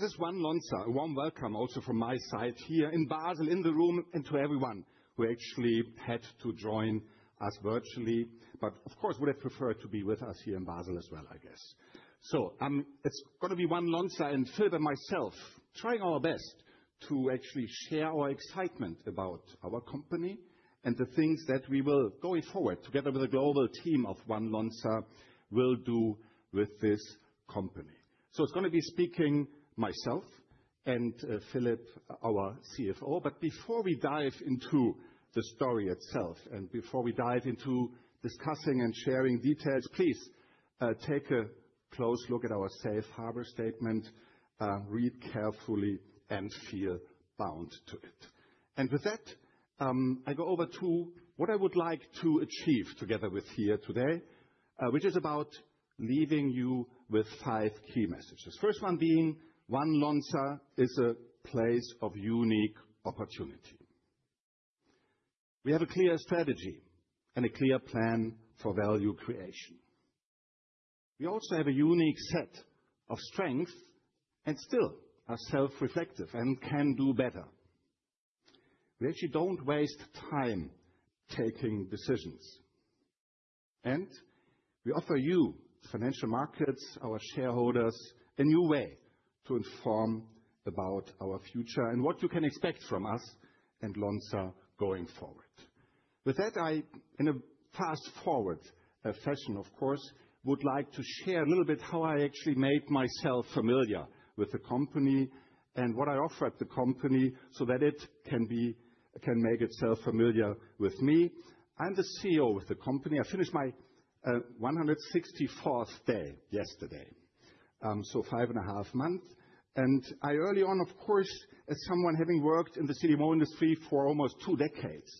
This is One Lonza, one welcome also from my side here in Basel, in the room, and to everyone who actually had to join us virtually. But of course, would have preferred to be with us here in Basel as well, I guess. So it's going to be One Lonza and Philippe and myself trying our best to actually share our excitement about our company and the things that we will, going forward, together with the global team of One Lonza, will do with this company. So it's going to be speaking myself and Philippe, our CFO. But before we dive into the story itself and before we dive into discussing and sharing details, please take a close look at our safe harbor statement, read carefully, and feel bound to it. And with that, I go over to what I would like to achieve together with here today, which is about leaving you with five key messages. First one being, One Lonza is a place of unique opportunity. We have a clear strategy and a clear plan for value creation. We also have a unique set of strengths and still are self-reflective and can do better. We actually don't waste time taking decisions. And we offer you, financial markets, our shareholders, a new way to inform about our future and what you can expect from us and Lonza going forward. With that, I, in a fast-forward fashion, of course, would like to share a little bit how I actually made myself familiar with the company and what I offer at the company so that it can make itself familiar with me. I'm the CEO of the company. I finished my 164th day yesterday, so five and a half months. I, early on, of course, as someone having worked in the CDMO industry for almost two decades,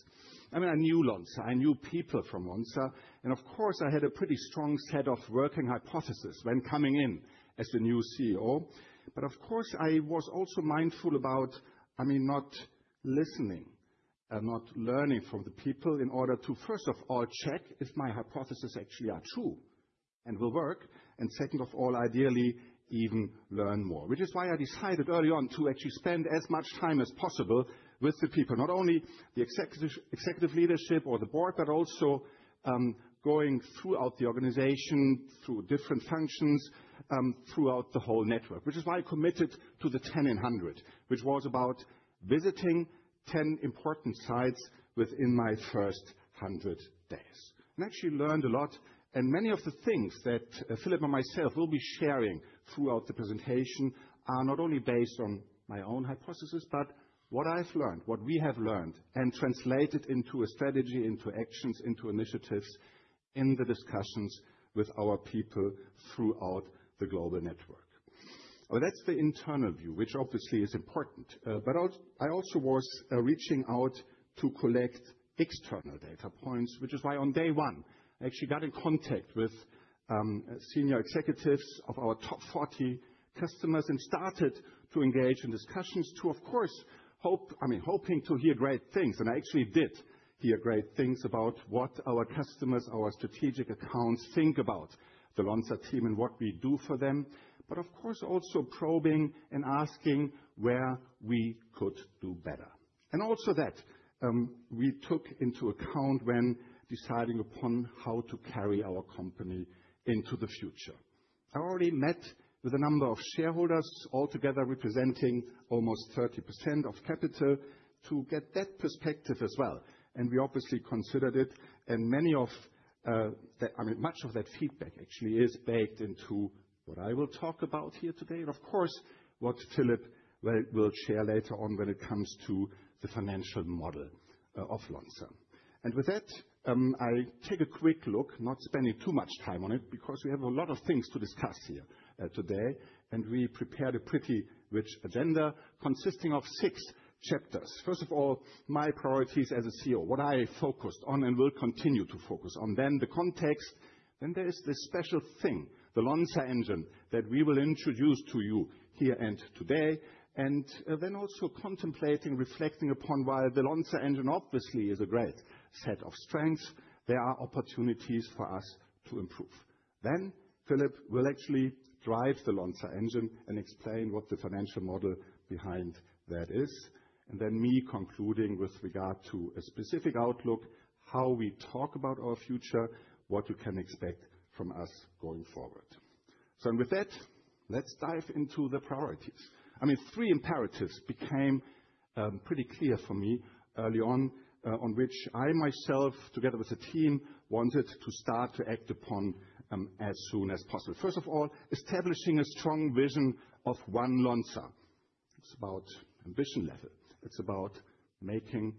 I mean, I knew Lonza. I knew people from Lonza. And of course, I had a pretty strong set of working hypotheses when coming in as the new CEO. But of course, I was also mindful about, I mean, not listening, not learning from the people in order to, first of all, check if my hypotheses actually are true and will work. Second of all, ideally, even learn more, which is why I decided early on to actually spend as much time as possible with the people, not only the executive leadership or the board, but also going throughout the organization, through different functions, throughout the whole network, which is why I committed to the 10 in 100, which was about visiting 10 important sites within my first 100 days. I actually learned a lot. Many of the things that Philippe and myself will be sharing throughout the presentation are not only based on my own hypotheses, but what I've learned, what we have learned, and translated into a strategy, into actions, into initiatives in the discussions with our people throughout the global network. That's the internal view, which obviously is important. But I also was reaching out to collect external data points, which is why on day one, I actually got in contact with senior executives of our top 40 customers and started to engage in discussions to, of course, I mean, hoping to hear great things. And I actually did hear great things about what our customers, our strategic accounts think about the Lonza team and what we do for them. But of course, also probing and asking where we could do better. And also that we took into account when deciding upon how to carry our company into the future. I already met with a number of shareholders altogether representing almost 30% of capital to get that perspective as well. And we obviously considered it. And many of, I mean, much of that feedback actually is baked into what I will talk about here today and, of course, what Philippe will share later on when it comes to the financial model of Lonza. And with that, I take a quick look, not spending too much time on it, because we have a lot of things to discuss here today. And we prepared a pretty rich agenda consisting of six chapters. First of all, my priorities as a CEO, what I focused on and will continue to focus on, then the context. Then there is this special thing, the Lonza Engine, that we will introduce to you here and today. And then also contemplating, reflecting upon why the Lonza Engine obviously is a great set of strengths. There are opportunities for us to improve. Then Philippe will actually drive the Lonza Engine and explain what the financial model behind that is, and then me concluding with regard to a specific outlook, how we talk about our future, what you can expect from us going forward, so with that, let's dive into the priorities. I mean, three imperatives became pretty clear for me early on, on which I myself, together with a team, wanted to start to act upon as soon as possible. First of all, establishing a strong vision of One Lonza. It's about ambition level. It's about making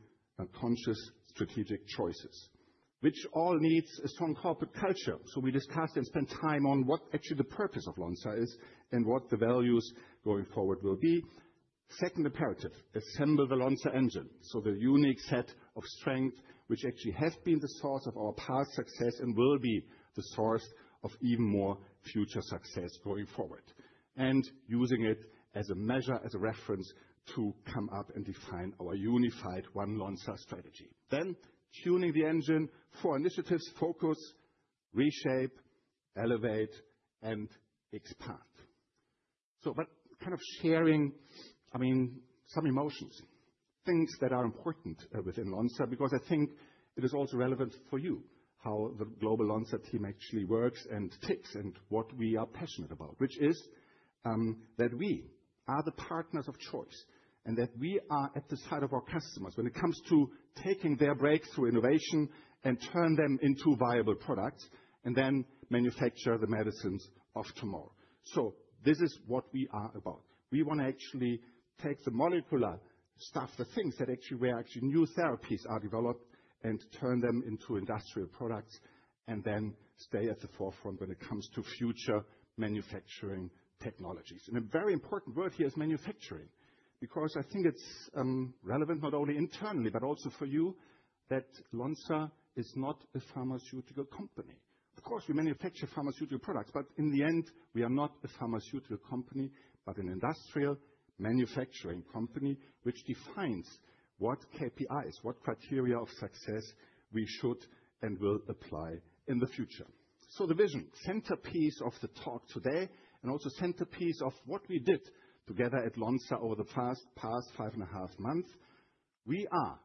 conscious strategic choices, which all needs a strong corporate culture, so we discussed and spent time on what actually the purpose of Lonza is and what the values going forward will be. Second imperative, assemble the Lonza Engine, so the unique set of strength, which actually has been the source of our past success and will be the source of even more future success going forward, and using it as a measure, as a reference to come up and define our unified One Lonza strategy. Then tuning the engine for initiatives, Focus, Reshape, Elevate, and Expand. So kind of sharing, I mean, some emotions, things that are important within Lonza, because I think it is also relevant for you how the global Lonza team actually works and ticks and what we are passionate about, which is that we are the partners of choice and that we are at the side of our customers when it comes to taking their breakthrough innovation and turn them into viable products and then manufacture the medicines of tomorrow. So this is what we are about. We want to actually take the molecular stuff, the things that actually where actually new therapies are developed, and turn them into industrial products and then stay at the forefront when it comes to future manufacturing technologies, and a very important word here is manufacturing, because I think it's relevant not only internally, but also for you, that Lonza is not a pharmaceutical company. Of course, we manufacture pharmaceutical products, but in the end, we are not a pharmaceutical company, but an industrial manufacturing company, which defines what KPIs, what criteria of success we should and will apply in the future, so the vision, centerpiece of the talk today, and also centerpiece of what we did together at Lonza over the past five and a half months, we are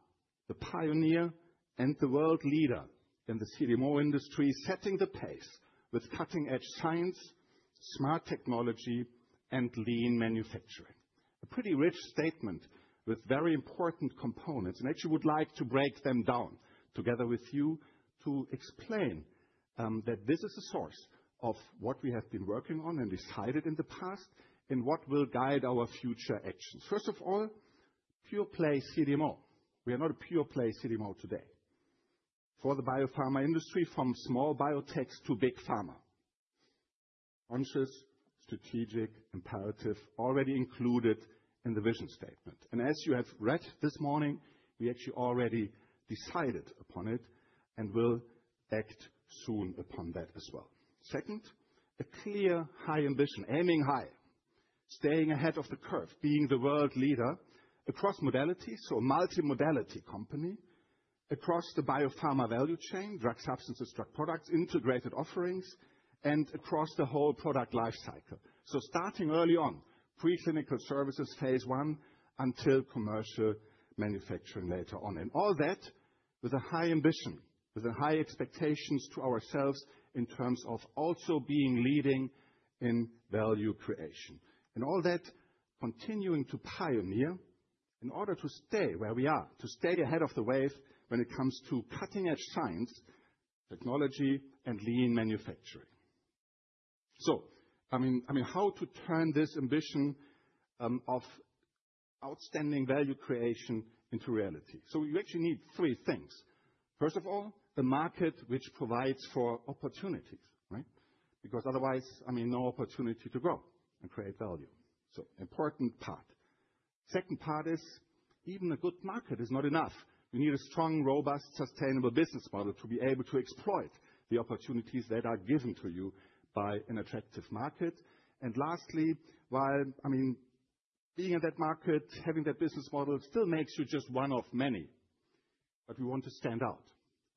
the pioneer and the world leader in the CDMO industry, setting the pace with cutting-edge science, smart technology, and lean manufacturing. A pretty rich statement with very important components. And I actually would like to break them down together with you to explain that this is a source of what we have been working on and decided in the past and what will guide our future actions. First of all, pure play CDMO. We are not a pure play CDMO today for the biopharma industry, from small biotechs to big pharma. Conscious, strategic, imperative, already included in the vision statement. And as you have read this morning, we actually already decided upon it and will act soon upon that as well. Second, a clear high ambition, aiming high, staying ahead of the curve, being the world leader across modalities, so a multimodality company across the biopharma value chain, drug substances, drug products, integrated offerings, and across the whole product lifecycle. So starting early on, preclinical services, phase one, until commercial manufacturing later on. And all that with a high ambition, with high expectations to ourselves in terms of also being leading in value creation. And all that continuing to pioneer in order to stay where we are, to stay ahead of the wave when it comes to cutting-edge science, technology, and lean manufacturing. So I mean, how to turn this ambition of outstanding value creation into reality? So you actually need three things. First of all, the market which provides for opportunities, right? Because otherwise, I mean, no opportunity to grow and create value. So important part. Second part is even a good market is not enough. You need a strong, robust, sustainable business model to be able to exploit the opportunities that are given to you by an attractive market. And lastly, while I mean, being in that market, having that business model still makes you just one of many. But we want to stand out.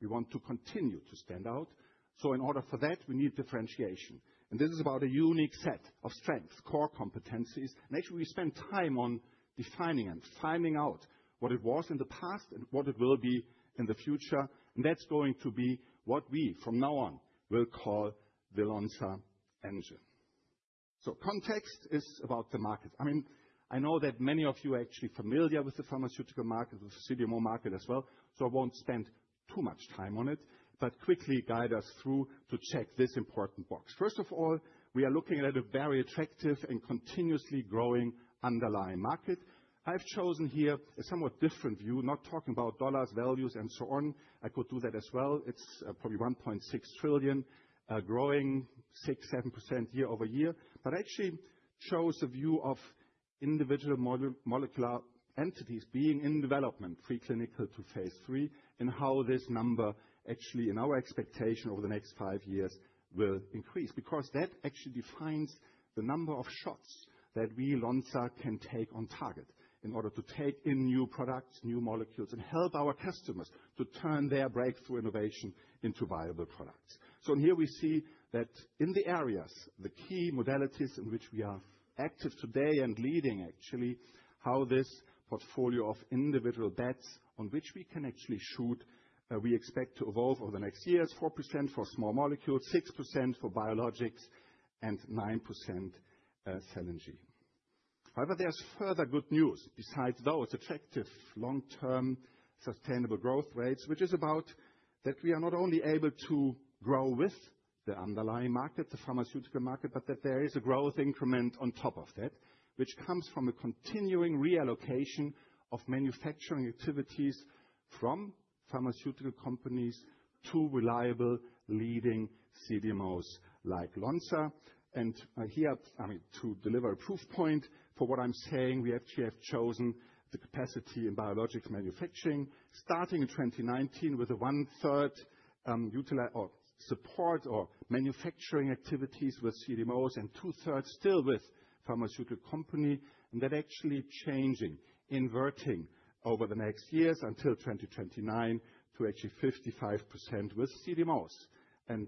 We want to continue to stand out. So in order for that, we need differentiation. And this is about a unique set of strengths, core competencies. And actually, we spend time on defining and finding out what it was in the past and what it will be in the future. And that's going to be what we, from now on, will call the Lonza Engine. So context is about the market. I mean, I know that many of you are actually familiar with the pharmaceutical market, with the CDMO market as well. So I won't spend too much time on it, but quickly guide us through to check this important box. First of all, we are looking at a very attractive and continuously growing underlying market. I've chosen here a somewhat different view, not talking about dollars, values, and so on. I could do that as well. It's probably $1.6 trillion, growing 6%-7% year over year. But I actually chose a view of individual molecular entities being in development, preclinical to phase three, and how this number actually, in our expectation, over the next five years will increase, because that actually defines the number of shots that we Lonza can take on target in order to take in new products, new molecules, and help our customers to turn their breakthrough innovation into viable products. So in here, we see that in the areas, the key modalities in which we are active today and leading actually, how this portfolio of individual bets on which we can actually shoot, we expect to evolve over the next year is 4% for Small Molecules, 6% for biologics, and 9% Cell and Gene. However, there's further good news besides those attractive long-term sustainable growth rates, which is about that we are not only able to grow with the underlying market, the pharmaceutical market, but that there is a growth increment on top of that, which comes from a continuing reallocation of manufacturing activities from pharmaceutical companies to reliable leading CDMOs like Lonza. Here, I mean, to deliver a proof point for what I'm saying, we actually have chosen the capacity in biologic manufacturing, starting in 2019 with a one-third support or manufacturing activities with CDMOs and two-thirds still with pharmaceutical company, and that actually changing, inverting over the next years until 2029 to actually 55% with CDMOs and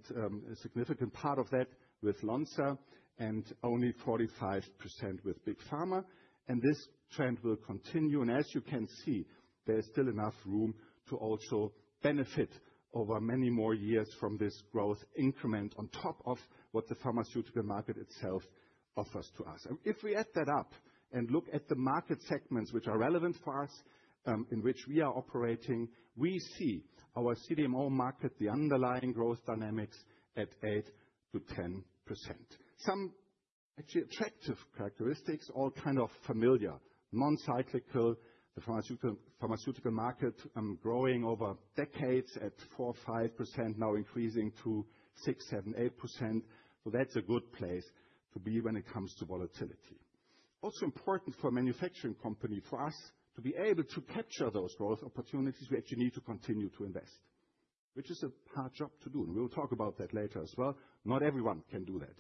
a significant part of that with Lonza and only 45% with big pharma. This trend will continue. As you can see, there's still enough room to also benefit over many more years from this growth increment on top of what the pharmaceutical market itself offers to us. If we add that up and look at the market segments which are relevant for us in which we are operating, we see our CDMO market, the underlying growth dynamics at 8%-10%. Some actually attractive characteristics, all kind of familiar, non-cyclical, the pharmaceutical market growing over decades at 4-5%, now increasing to 6-8%. So that's a good place to be when it comes to volatility. Also important for a manufacturing company for us to be able to capture those growth opportunities, we actually need to continue to invest, which is a hard job to do. And we will talk about that later as well. Not everyone can do that.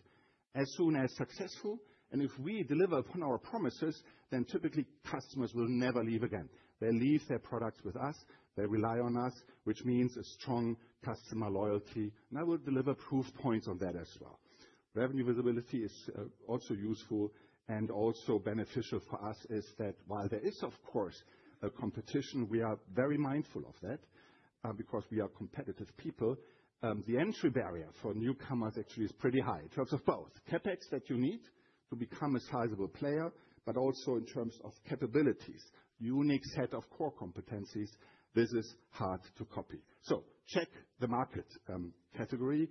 As soon as successful, and if we deliver upon our promises, then typically customers will never leave again. They leave their products with us. They rely on us, which means a strong customer loyalty. And I will deliver proof points on that as well. Revenue visibility is also useful and also beneficial for us is that while there is, of course, a competition, we are very mindful of that because we are competitive people. The entry barrier for newcomers actually is pretty high in terms of both CapEx that you need to become a sizable player, but also in terms of capabilities, unique set of core competencies. This is hard to copy, so check the market category.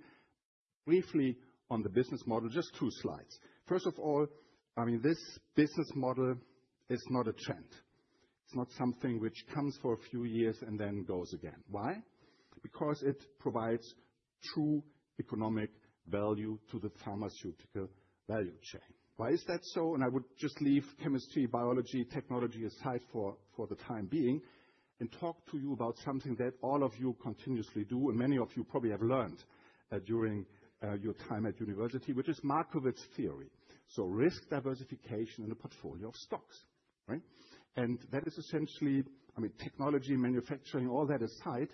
Briefly on the business model, just two slides. First of all, I mean, this business model is not a trend. It's not something which comes for a few years and then goes again. Why? Because it provides true economic value to the pharmaceutical value chain. Why is that so? I would just leave chemistry, biology, technology aside for the time being and talk to you about something that all of you continuously do, and many of you probably have learned during your time at university, which is Markowitz theory. Risk diversification in a portfolio of stocks, right? That is essentially, I mean, technology, manufacturing, all that aside,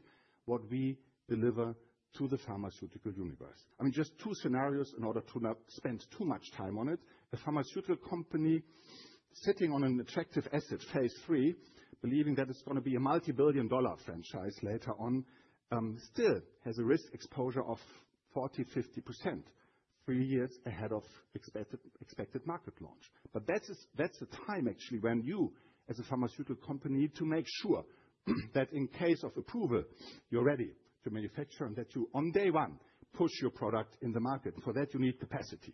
what we deliver to the pharmaceutical universe. I mean, just two scenarios in order to not spend too much time on it. A pharmaceutical company sitting on an attractive asset, phase three, believing that it is going to be a multi-billion-dollar franchise later on, still has a risk exposure of 40%-50%, three years ahead of expected market launch. But that's the time actually when you, as a pharmaceutical company, need to make sure that in case of approval, you're ready to manufacture and that you, on day one, push your product in the market. And for that, you need capacity.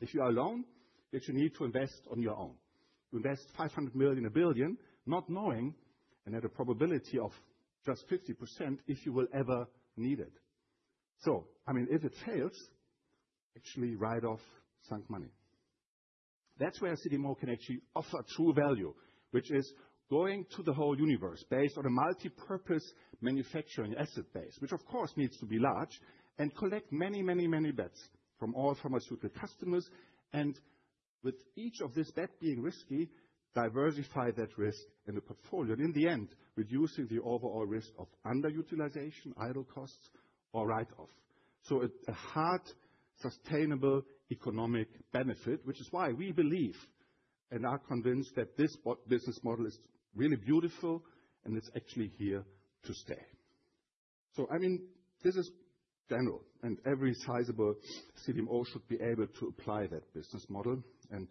If you are alone, you actually need to invest on your own. You invest 500 million, 1 billion, not knowing and at a probability of just 50% if you will ever need it. So I mean, if it fails, actually write off sunk money. That's where CDMO can actually offer true value, which is going to the whole universe based on a multi-purpose manufacturing asset base, which of course needs to be large and collect many, many, many bets from all pharmaceutical customers. And with each of these bets being risky, diversify that risk in the portfolio, and in the end, reducing the overall risk of underutilization, idle costs, or write-off. So a hard, sustainable economic benefit, which is why we believe and are convinced that this business model is really beautiful and it's actually here to stay. So I mean, this is general, and every sizable CDMO should be able to apply that business model, and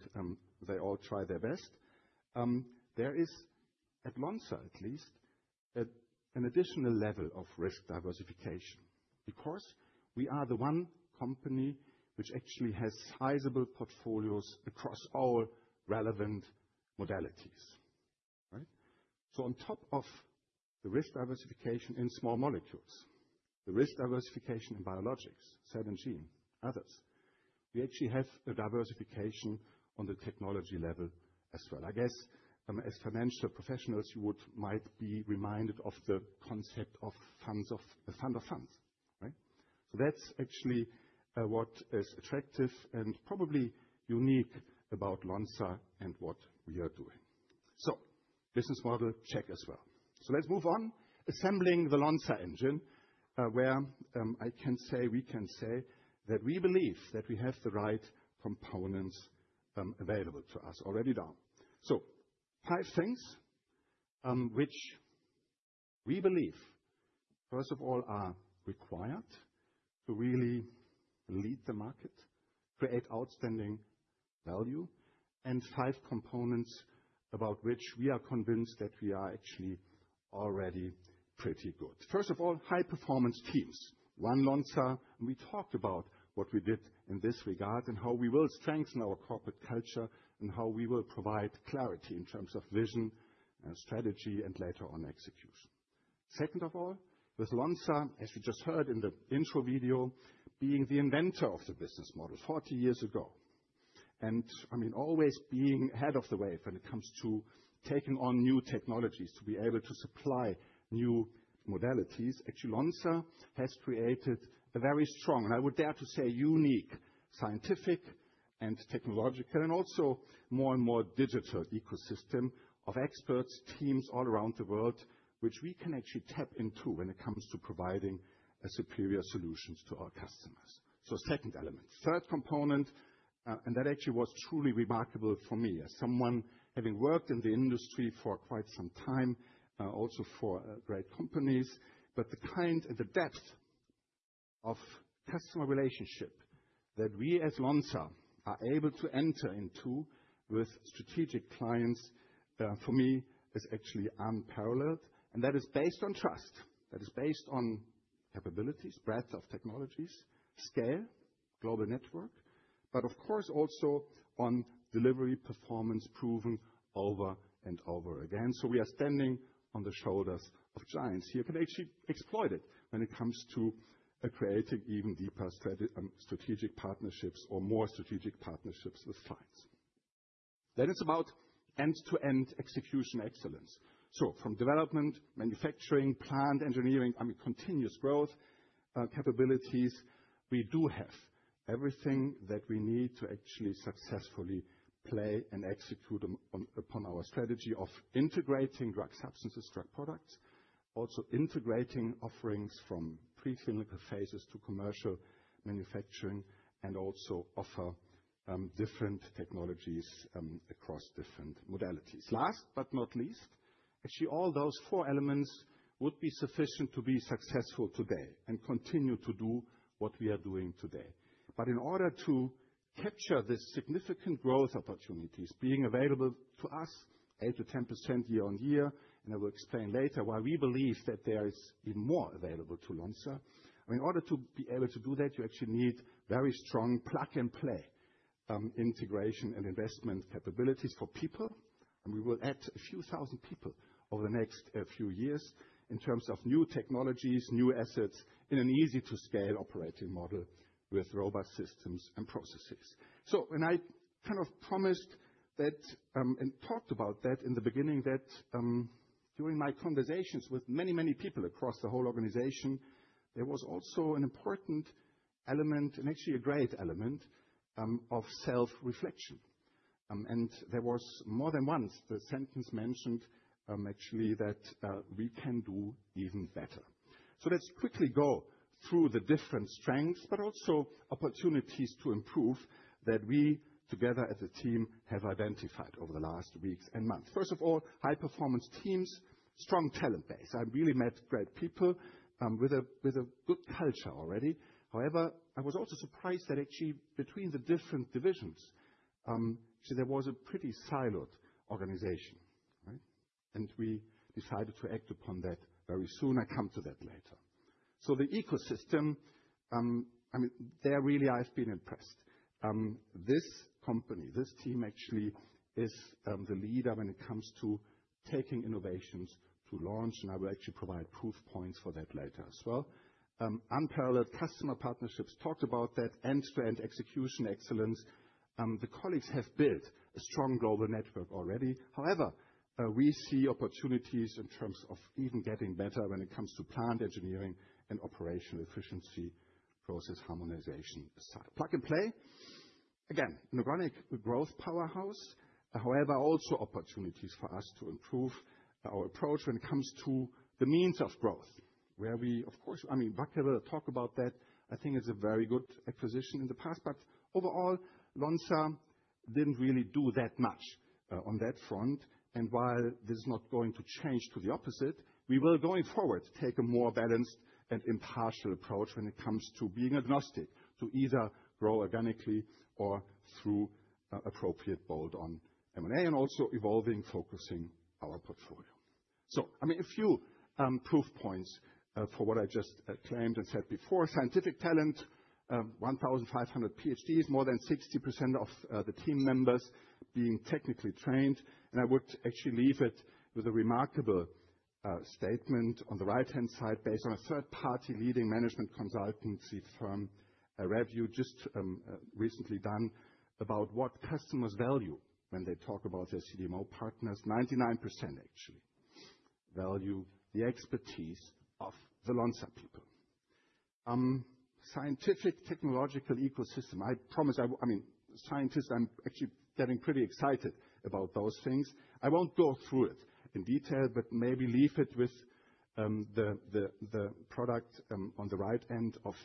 they all try their best. There is, at Lonza at least, an additional level of risk diversification because we are the one company which actually has sizable portfolios across all relevant modalities, right? So on top of the risk diversification in small molecules, the risk diversification in biologics, Cell and gene, others, we actually have a diversification on the technology level as well. I guess as financial professionals, you might be reminded of the concept of funds of funds, right? So that's actually what is attractive and probably unique about Lonza and what we are doing. So business model check as well. So let's move on. Assembling the Lonza Engine, where I can say that we believe that we have the right components available to us already now. So five things which we believe, first of all, are required to really lead the market, create outstanding value, and five components about which we are convinced that we are actually already pretty good. First of all, high-performance teams. One Lonza, and we talked about what we did in this regard and how we will strengthen our corporate culture and how we will provide clarity in terms of vision and strategy and later on execution. Second of all, with Lonza, as you just heard in the intro video, being the inventor of the business model 40 years ago, and I mean, always being ahead of the wave when it comes to taking on new technologies to be able to supply new modalities, actually Lonza has created a very strong, and I would dare to say unique scientific and technological, and also more and more digital ecosystem of experts, teams all around the world, which we can actually tap into when it comes to providing superior solutions to our customers, so second element, third component, and that actually was truly remarkable for me as someone having worked in the industry for quite some time, also for great companies, but the kind and the depth of customer relationship that we as Lonza are able to enter into with strategic clients, for me, is actually unparalleled. And that is based on trust. That is based on capabilities, breadth of technologies, scale, global network, but of course also on delivery performance proven over and over again. So we are standing on the shoulders of giants here can actually exploit it when it comes to creating even deeper strategic partnerships or more strategic partnerships with clients. That is about end-to-end execution excellence. So from development, manufacturing, plant engineering, I mean, continuous growth capabilities, we do have everything that we need to actually successfully play and execute upon our strategy of integrating drug substances, drug products, also integrating offerings from preclinical phases to commercial manufacturing, and also offer different technologies across different modalities. Last but not least, actually all those four elements would be sufficient to be successful today and continue to do what we are doing today. But in order to capture this significant growth opportunities being available to us, 8%-10% year on year, and I will explain later why we believe that there is even more available to Lonza. I mean, in order to be able to do that, you actually need very strong plug and play integration and investment capabilities for people. And we will add a few thousand people over the next few years in terms of new technologies, new assets in an easy-to-scale operating model with robust systems and processes. So when I kind of promised that and talked about that in the beginning, that during my conversations with many, many people across the whole organization, there was also an important element and actually a great element of self-reflection. And there was more than once the sentence mentioned actually that we can do even better. So let's quickly go through the different strengths, but also opportunities to improve that we together as a team have identified over the last weeks and months. First of all, high-performance teams, strong talent base. I really met great people with a good culture already. However, I was also surprised that actually between the different divisions, actually there was a pretty siloed organization, right? And we decided to act upon that very soon. I come to that later. So the ecosystem, I mean, there really I've been impressed. This company, this team actually is the leader when it comes to taking innovations to launch, and I will actually provide proof points for that later as well. Unparalleled customer partnerships, talked about that end-to-end execution excellence. The colleagues have built a strong global network already. However, we see opportunities in terms of even getting better when it comes to plant engineering and operational efficiency, process harmonization aside. Plug and play. Again, an organic growth powerhouse. However, also opportunities for us to improve our approach when it comes to the means of growth, where we, of course, I mean, Vacaville talked about that. I think it's a very good acquisition in the past. But overall, Lonza didn't really do that much on that front. And while this is not going to change to the opposite, we will going forward take a more balanced and impartial approach when it comes to being agnostic to either grow organically or through appropriate bolt-on M&A and also evolving, focusing our portfolio. So I mean, a few proof points for what I just claimed and said before. Scientific talent, 1,500 PhDs, more than 60% of the team members being technically trained, and I would actually leave it with a remarkable statement on the right-hand side based on a third-party leading management consultancy firm review just recently done about what customers value when they talk about their CDMO partners. 99% actually value the expertise of the Lonza people. Scientific technological ecosystem. I promise, I mean, scientists, I'm actually getting pretty excited about those things. I won't go through it in detail, but maybe leave it with the product on the right end of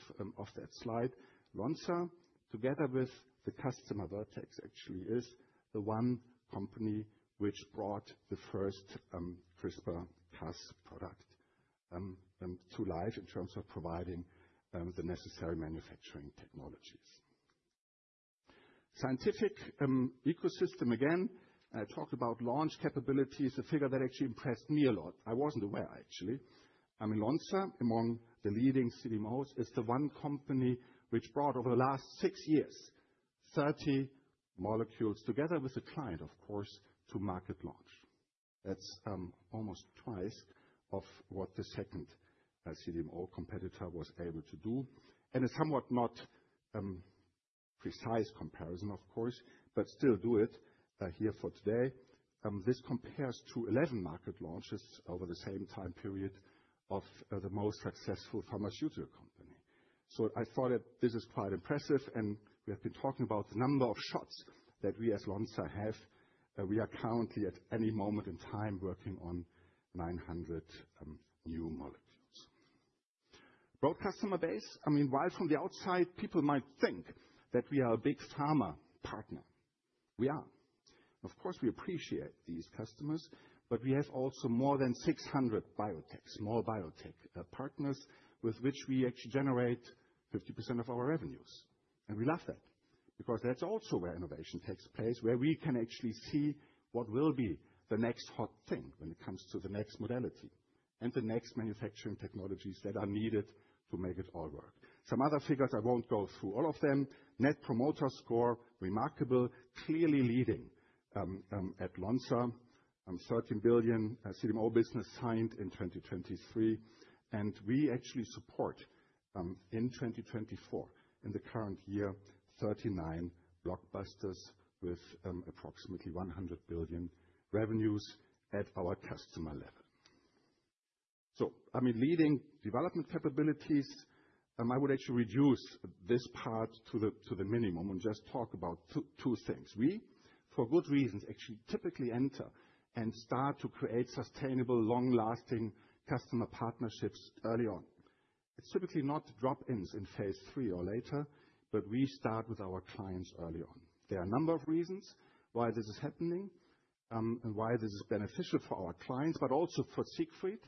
that slide. Lonza, together with the customer Vertex, actually is the one company which brought the first CRISPR-Cas product to life in terms of providing the necessary manufacturing technologies. Scientific ecosystem, again, I talked about launch capabilities, a figure that actually impressed me a lot. I wasn't aware, actually. I mean, Lonza, among the leading CDMOs, is the one company which brought over the last six years 30 molecules together with a client, of course, to market launch. That's almost twice of what the second CDMO competitor was able to do. And a somewhat not precise comparison, of course, but still do it here for today. This compares to 11 market launches over the same time period of the most successful pharmaceutical company. So I thought that this is quite impressive. And we have been talking about the number of shots that we as Lonza have. We are currently, at any moment in time, working on 900 new molecules. Broad customer base. I mean, while from the outside, people might think that we are a big pharma partner, we are. Of course, we appreciate these customers, but we have also more than 600 biotech, small biotech partners with which we actually generate 50% of our revenues. And we love that because that's also where innovation takes place, where we can actually see what will be the next hot thing when it comes to the next modality and the next manufacturing technologies that are needed to make it all work. Some other figures, I won't go through all of them. Net Promoter Score, remarkable, clearly leading at Lonza. 13 billion CDMO business signed in 2023. And we actually support in 2024, in the current year, 39 blockbusters with approximately 100 billion revenues at our customer level. So I mean, leading development capabilities, I would actually reduce this part to the minimum and just talk about two things. We, for good reasons, actually typically enter and start to create sustainable, long-lasting customer partnerships early on. It's typically not drop-ins in phase three or later, but we start with our clients early on. There are a number of reasons why this is happening and why this is beneficial for our clients, but also for Lonza.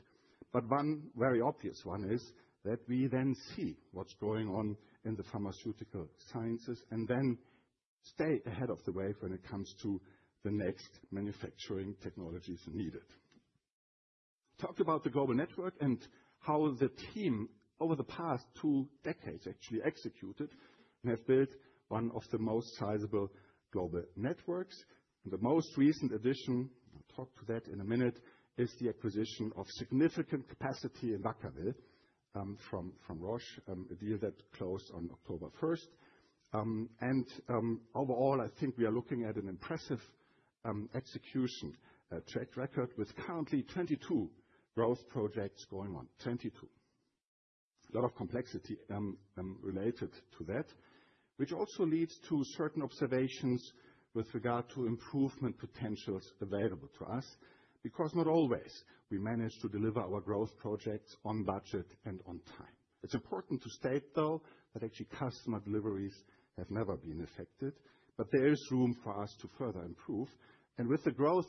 But one very obvious one is that we then see what's going on in the pharmaceutical sciences and then stay ahead of the wave when it comes to the next manufacturing technologies needed. Talked about the global network and how the team over the past two decades actually executed and have built one of the most sizable global networks. The most recent addition, I'll talk to that in a minute, is the acquisition of significant capacity in Vacaville from Roche, a deal that closed on October 1st. And overall, I think we are looking at an impressive execution track record with currently 22 growth projects going on, 22. A lot of complexity related to that, which also leads to certain observations with regard to improvement potentials available to us because not always we manage to deliver our growth projects on budget and on time. It's important to state though that actually customer deliveries have never been affected, but there is room for us to further improve. And with the growth,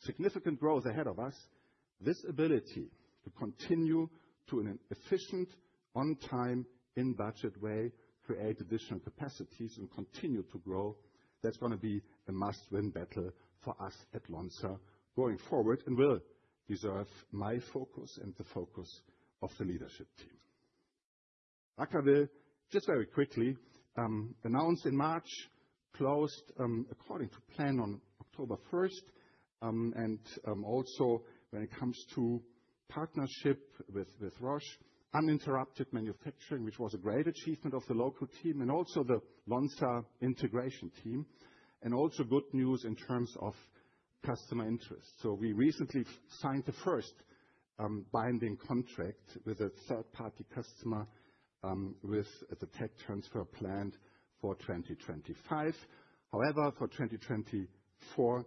significant growth ahead of us, this ability to continue to an efficient, on-time, in-budget way, create additional capacities and continue to grow, that's going to be a must-win battle for us at Lonza going forward and will deserve my focus and the focus of the leadership team. Vacaville, just very quickly, announced in March, closed according to plan on October 1st. Also when it comes to partnership with Roche, uninterrupted manufacturing, which was a great achievement of the local team and also the Lonza integration team. Also good news in terms of customer interest. We recently signed the first binding contract with a third-party customer with the tech transfer planned for 2025. However, for 2024,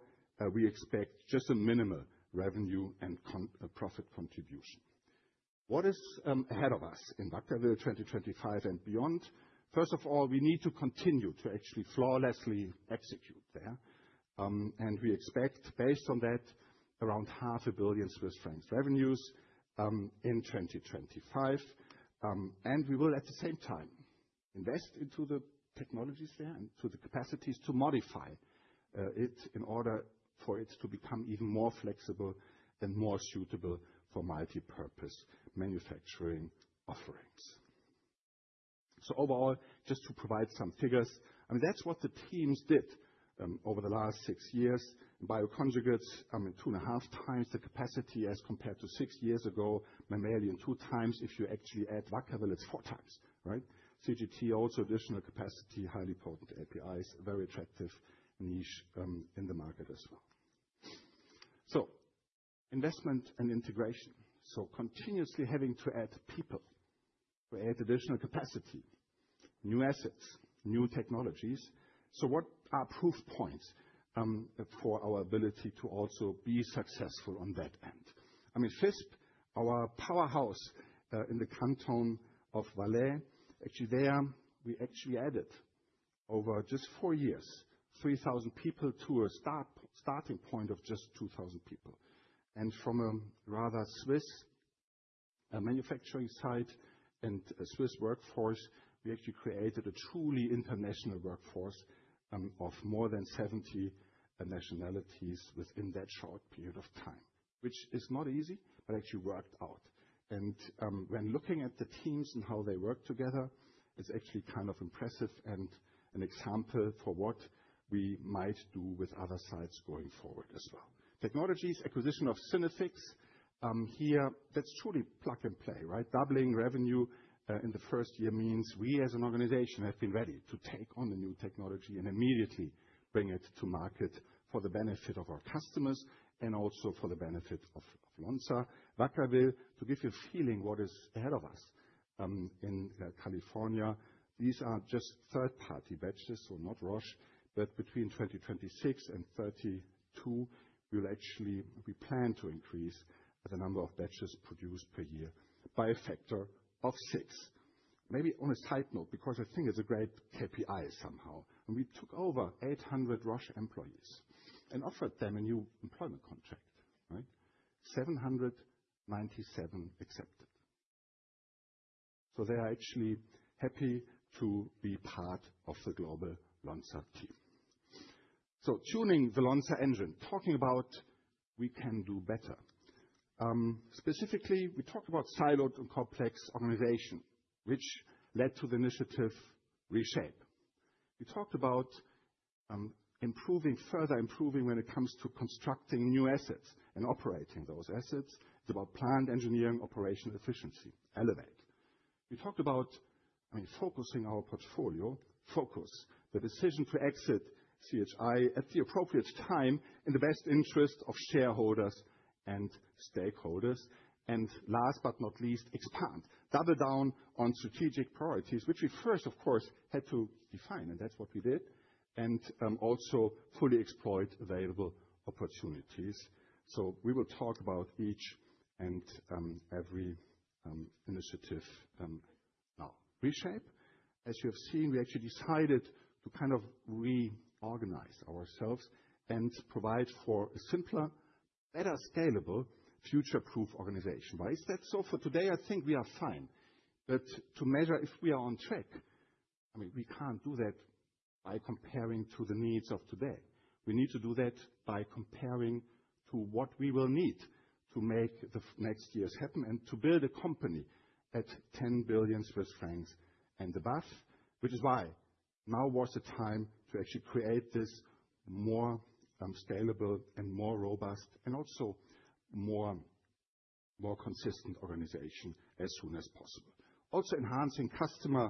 we expect just a minimal revenue and profit contribution. What is ahead of us in Vacaville 2025 and beyond? First of all, we need to continue to actually flawlessly execute there. We expect, based on that, around 500 million Swiss francs in revenues in 2025. We will at the same time invest into the technologies there and to the capacities to modify it in order for it to become even more flexible and more suitable for multi-purpose manufacturing offerings. So overall, just to provide some figures, I mean, that's what the teams did over the last six years. Bioconjugates two and a half times the capacity as compared to six years ago, Mammalian two times. If you actually add Vacaville, it's four times, right? CGT also additional capacity, highly potent APIs, very attractive niche in the market as well. So investment and integration. So continuously having to add people, create additional capacity, new assets, new technologies. So what are proof points for our ability to also be successful on that end? I mean, Visp, our powerhouse in the Canton of Valais, actually there, we actually added over just four years, 3,000 people to a starting point of just 2,000 people. And from a rather Swiss manufacturing site and a Swiss workforce, we actually created a truly international workforce of more than 70 nationalities within that short period of time, which is not easy, but actually worked out. And when looking at the teams and how they work together, it's actually kind of impressive and an example for what we might do with other sites going forward as well. Technologies, acquisition of Synaffix here, that's truly plug and play, right? Doubling revenue in the first year means we as an organization have been ready to take on the new technology and immediately bring it to market for the benefit of our customers and also for the benefit of Lonza. Vacaville, to give you a feeling what is ahead of us in California, these are just third-party batches, so not Roche, but between 2026 and 2032, we'll actually plan to increase the number of batches produced per year by a factor of six. Maybe on a side note, because I think it's a great KPI somehow, when we took over 800 Roche employees and offered them a new employment contract, right? 797 accepted. So they are actually happy to be part of the global Lonza team. So tuning the Lonza Engine, talking about we can do better. Specifically, we talked about siloed and complex organization, which led to the initiative Reshape. We talked about further improving when it comes to constructing new assets and operating those assets. It's about planned engineering operational efficiency, Elevate. We talked about, I mean, focusing our portfolio, the decision to exit CHI at the appropriate time in the best interest of shareholders and stakeholders, and last but not least, expand, double down on strategic priorities, which we first, of course, had to define, and that's what we did, and also fully exploit available opportunities, so we will talk about each and every initiative now. Reshape. As you have seen, we actually decided to kind of reorganize ourselves and provide for a simpler, better scalable, future-proof organization. Why is that so? For today, I think we are fine, but to measure if we are on track, I mean, we can't do that by comparing to the needs of today. We need to do that by comparing to what we will need to make the next years happen and to build a company at 10 billion Swiss francs and above, which is why now was the time to actually create this more scalable and more robust and also more consistent organization as soon as possible. Also enhancing customer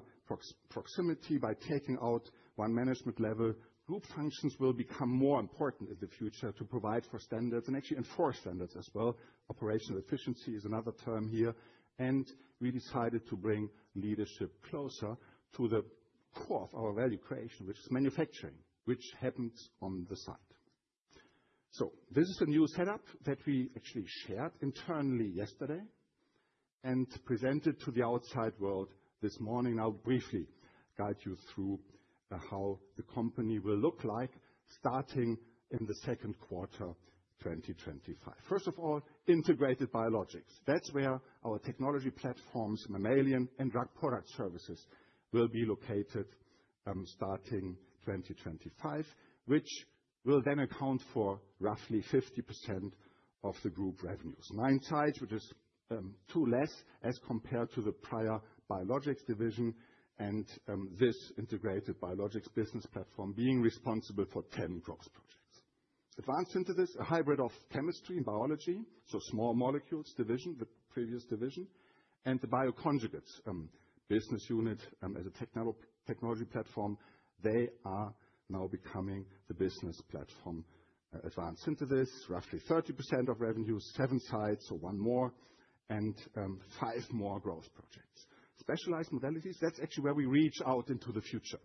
proximity by taking out one management level. Group functions will become more important in the future to provide for standards and actually enforce standards as well. Operational efficiency is another term here. And we decided to bring leadership closer to the core of our value creation, which is manufacturing, which happens on the site. So this is a new setup that we actually shared internally yesterday and presented to the outside world this morning. I'll briefly guide you through how the company will look like starting in the second quarter 2025. First of all, Integrated Biologics. That's where our technology platforms, mammalian, and drug product services will be located starting 2025, which will then account for roughly 50% of the group revenues. Nine sites, which is two less as compared to the prior biologics division and this Integrated Biologics business platform being responsible for 10 growth projects. Advanced Synthesis, a hybrid of chemistry and biology, so Small Molecules division with previous division. And the bioconjugates business unit as a technology platform, they are now becoming the business platform. Advanced Synthesis, roughly 30% of revenue, seven sites, so one more and five more growth projects. Specialized Modalities, that's actually where we reach out into the future.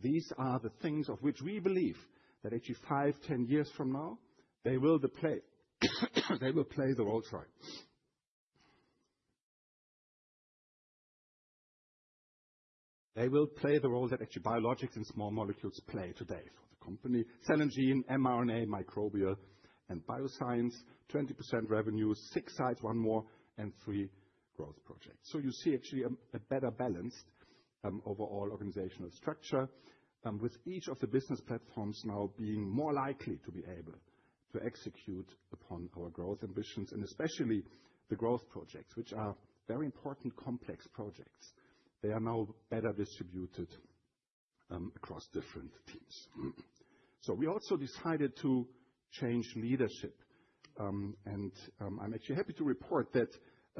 These are the things of which we believe that actually 5, 10 years from now, they will play the role sorry. They will play the role that actually biologics and small molecules play today for the company. Cell and Gene, mRNA, microbial, and bioconjugates, 20% revenue, six sites, one more, and three growth projects. So you see actually a better balanced overall organizational structure with each of the business platforms now being more likely to be able to execute upon our growth ambitions and especially the growth projects, which are very important, complex projects. They are now better distributed across different teams. So we also decided to change leadership. And I'm actually happy to report that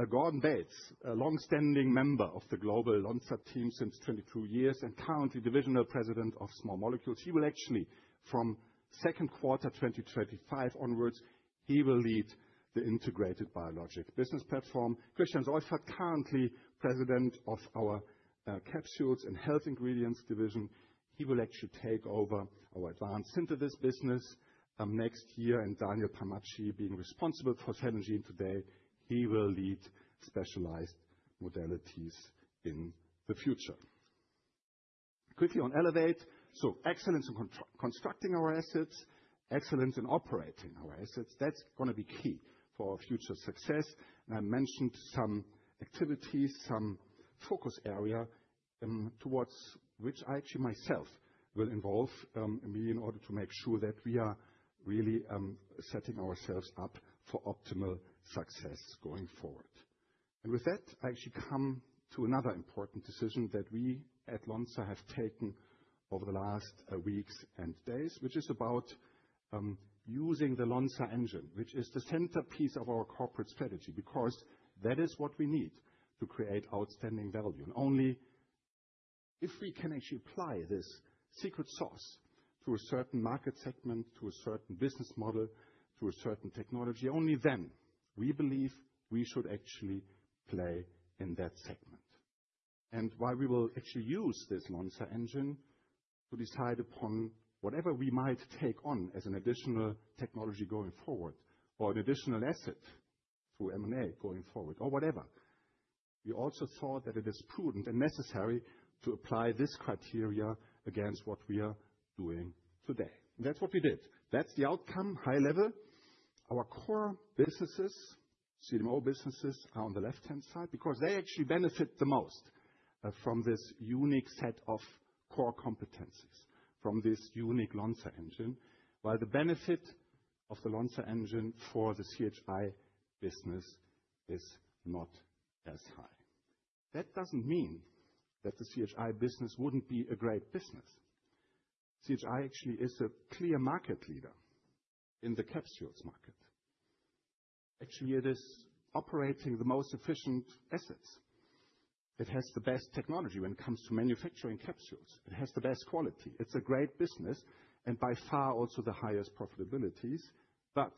Gordon Bates, a longstanding member of the global Lonza team since 22 years and currently divisional president of small molecules, he will actually from second quarter 2025 onwards, he will lead the Integrated Biologics business platform. Christian Seufert, currently President of our Capsules and Health Ingredients division, he will actually take over our Advanced Synthesis business next year. And Daniel Palmacci, being responsible for Cell and Gene today, he will lead Specialized Modalities in the future. Quickly on Elevate, so excellence in constructing our assets, excellence in operating our assets, that's going to be key for our future success, and I mentioned some activities, some focus area towards which I actually myself will involve me in order to make sure that we are really setting ourselves up for optimal success going forward, and with that, I actually come to another important decision that we at Lonza have taken over the last weeks and days, which is about using the Lonza Engine, which is the centerpiece of our corporate strategy because that is what we need to create outstanding value. Only if we can actually apply this secret sauce to a certain market segment, to a certain business model, to a certain technology, only then we believe we should actually play in that segment. Why we will actually use this Lonza Engine to decide upon whatever we might take on as an additional technology going forward or an additional asset through M&A going forward or whatever. We also thought that it is prudent and necessary to apply this criteria against what we are doing today. That's what we did. That's the outcome, high level. Our core businesses, CDMO businesses are on the left-hand side because they actually benefit the most from this unique set of core competencies from this unique Lonza Engine, while the benefit of the Lonza Engine for the CHI business is not as high. That doesn't mean that the CHI business wouldn't be a great business. CHI actually is a clear market leader in the capsules market. Actually, it is operating the most efficient assets. It has the best technology when it comes to manufacturing capsules. It has the best quality. It's a great business and by far also the highest profitabilities. But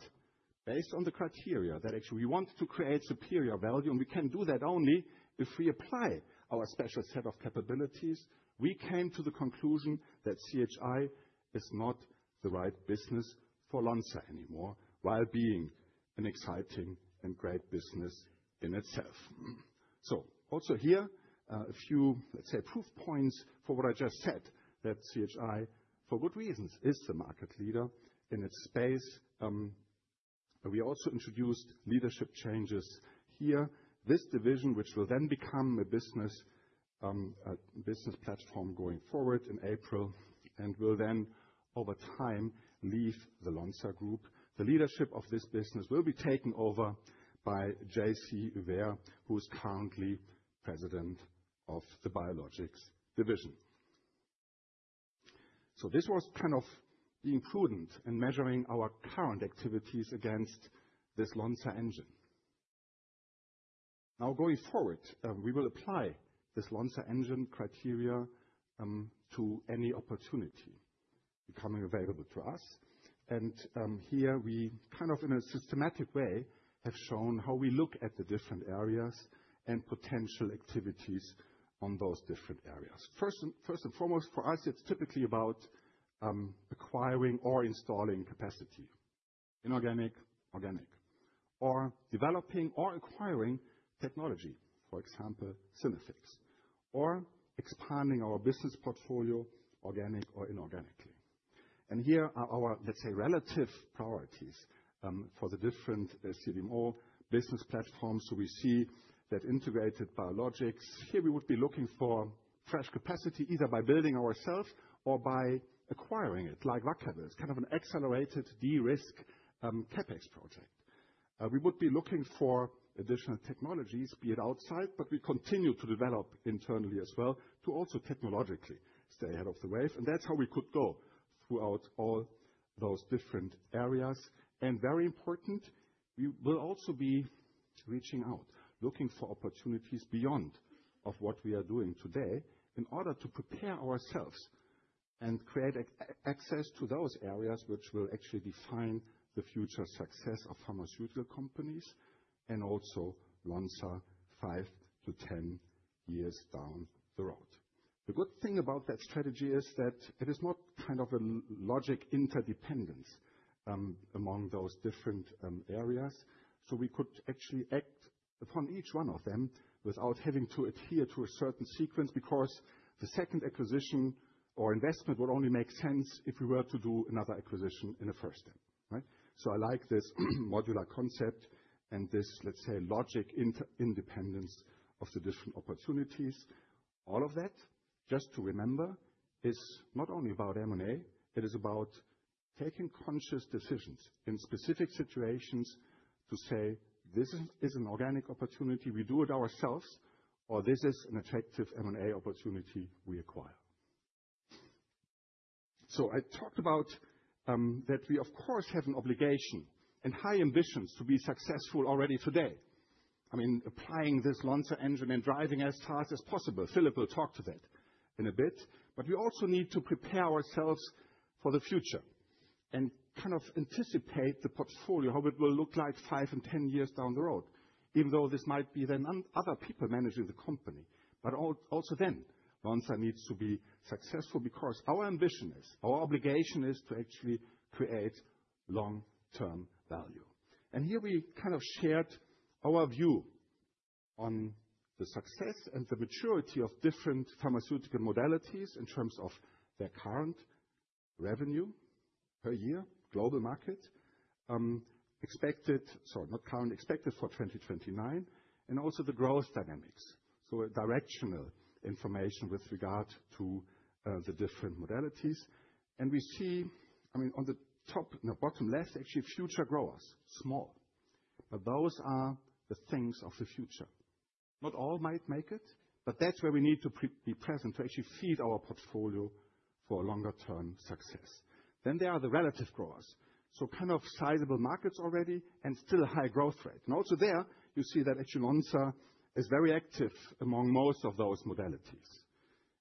based on the criteria that actually we want to create superior value, and we can do that only if we apply our special set of capabilities, we came to the conclusion that CHI is not the right business for Lonza anymore while being an exciting and great business in itself. So also here, a few, let's say, proof points for what I just said that CHI, for good reasons, is the market leader in its space. We also introduced leadership changes here. This division, which will then become a business platform going forward in April and will then over time leave the Lonza group. The leadership of this business will be taken over by JC Hyvert, who is currently President of the Biologics division. So this was kind of being prudent in measuring our current activities against this Lonza Engine. Now going forward, we will apply this Lonza Engine criteria to any opportunity becoming available to us. And here we kind of in a systematic way have shown how we look at the different areas and potential activities on those different areas. First and foremost, for us, it's typically about acquiring or installing capacity, inorganic, organic, or developing or acquiring technology, for example, Synaffix, or expanding our business portfolio organic or inorganically. And here are our, let's say, relative priorities for the different CDMO business platforms. So we see that Integrated Biologics, here we would be looking for fresh capacity either by building ourselves or by acquiring it like Vacaville. It's kind of an accelerated de-risk CapEx project. We would be looking for additional technologies, be it outside, but we continue to develop internally as well to also technologically stay ahead of the wave. And that's how we could go throughout all those different areas. And very important, we will also be reaching out, looking for opportunities beyond what we are doing today in order to prepare ourselves and create access to those areas which will actually define the future success of pharmaceutical companies and also Lonza five to 10 years down the road. The good thing about that strategy is that it is not kind of a logic interdependence among those different areas. So we could actually act upon each one of them without having to adhere to a certain sequence because the second acquisition or investment would only make sense if we were to do another acquisition in a first step, right? So I like this modular concept and this, let's say, logic independence of the different opportunities. All of that, just to remember, is not only about M&A. It is about taking conscious decisions in specific situations to say, "This is an organic opportunity. We do it ourselves," or "This is an attractive M&A opportunity we acquire." So I talked about that we, of course, have an obligation and high ambitions to be successful already today. I mean, applying this Lonza Engine and driving as fast as possible. Philippe will talk to that in a bit. But we also need to prepare ourselves for the future and kind of anticipate the portfolio, how it will look like five and 10 years down the road, even though this might be then other people managing the company. But also then Lonza needs to be successful because our ambition is, our obligation is to actually create long-term value. And here we kind of shared our view on the success and the maturity of different pharmaceutical modalities in terms of their current revenue per year, global market, expected, sorry, not current, expected for 2029, and also the growth dynamics. So directional information with regard to the different modalities. And we see, I mean, on the top, the bottom left, actually future growers, small. But those are the things of the future. Not all might make it, but that's where we need to be present to actually feed our portfolio for longer-term success. Then there are the relative growers, so kind of sizable markets already and still high growth rate, and also there you see that actually Lonza is very active among most of those modalities,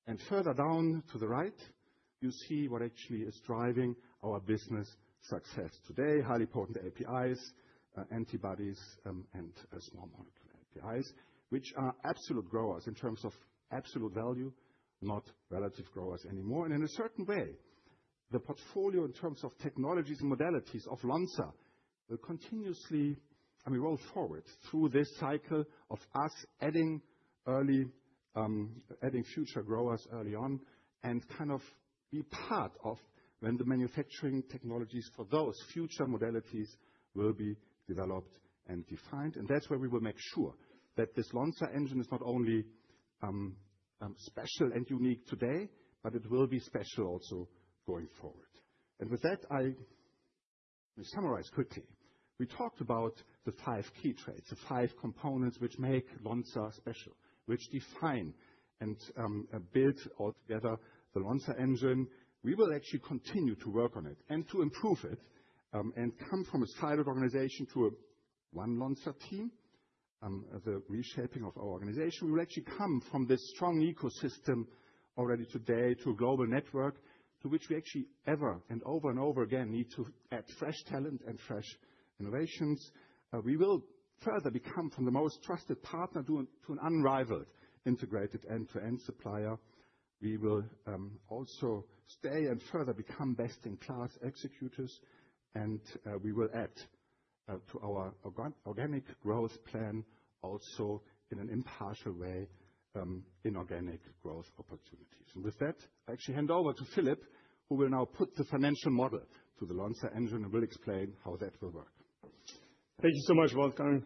and further down to the right, you see what actually is driving our business success today, highly potent APIs, antibodies, and small molecule APIs, which are absolute growers in terms of absolute value, not relative growers anymore, and in a certain way, the portfolio in terms of technologies and modalities of Lonza will continuously, I mean, roll forward through this cycle of us adding future growers early on and kind of be part of when the manufacturing technologies for those future modalities will be developed and defined. That's where we will make sure that this Lonza Engine is not only special and unique today, but it will be special also going forward. With that, I will summarize quickly. We talked about the five key traits, the five components which make Lonza special, which define and build altogether the Lonza Engine. We will actually continue to work on it and to improve it and come from a silent organization to One Lonza team, the reshaping of our organization. We will actually come from this strong ecosystem already today to a global network to which we actually ever and over and over again need to add fresh talent and fresh innovations. We will further become from the most trusted partner to an unrivaled integrated end-to-end supplier. We will also stay and further become best-in-class executors. We will add to our organic growth plan also in an impartial way inorganic growth opportunities. With that, I actually hand over to Philippe, who will now put the financial model to the Lonza Engine and will explain how that will work. Thank you so much, Wolfgang.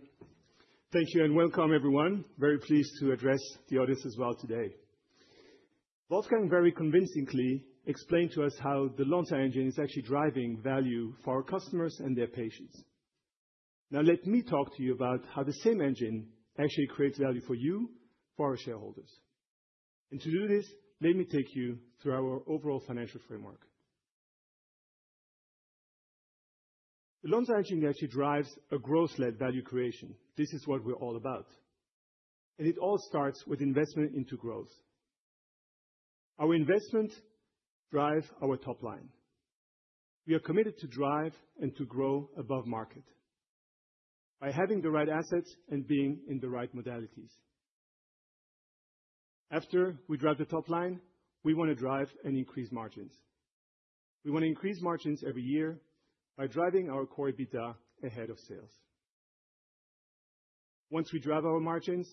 Thank you and welcome, everyone. Very pleased to address the audience as well today. Wolfgang very convincingly explained to us how the Lonza Engine is actually driving value for our customers and their patients. Now let me talk to you about how the same engine actually creates value for you, for our shareholders. To do this, let me take you through our overall financial framework. The Lonza Engine actually drives a growth-led value creation. This is what we're all about. It all starts with investment into growth. Our investment drives our top line. We are committed to drive and to grow above market by having the right assets and being in the right modalities. After we drive the top line, we want to drive and increase margins. We want to increase margins every year by driving our Core EBITDA ahead of sales. Once we drive our margins,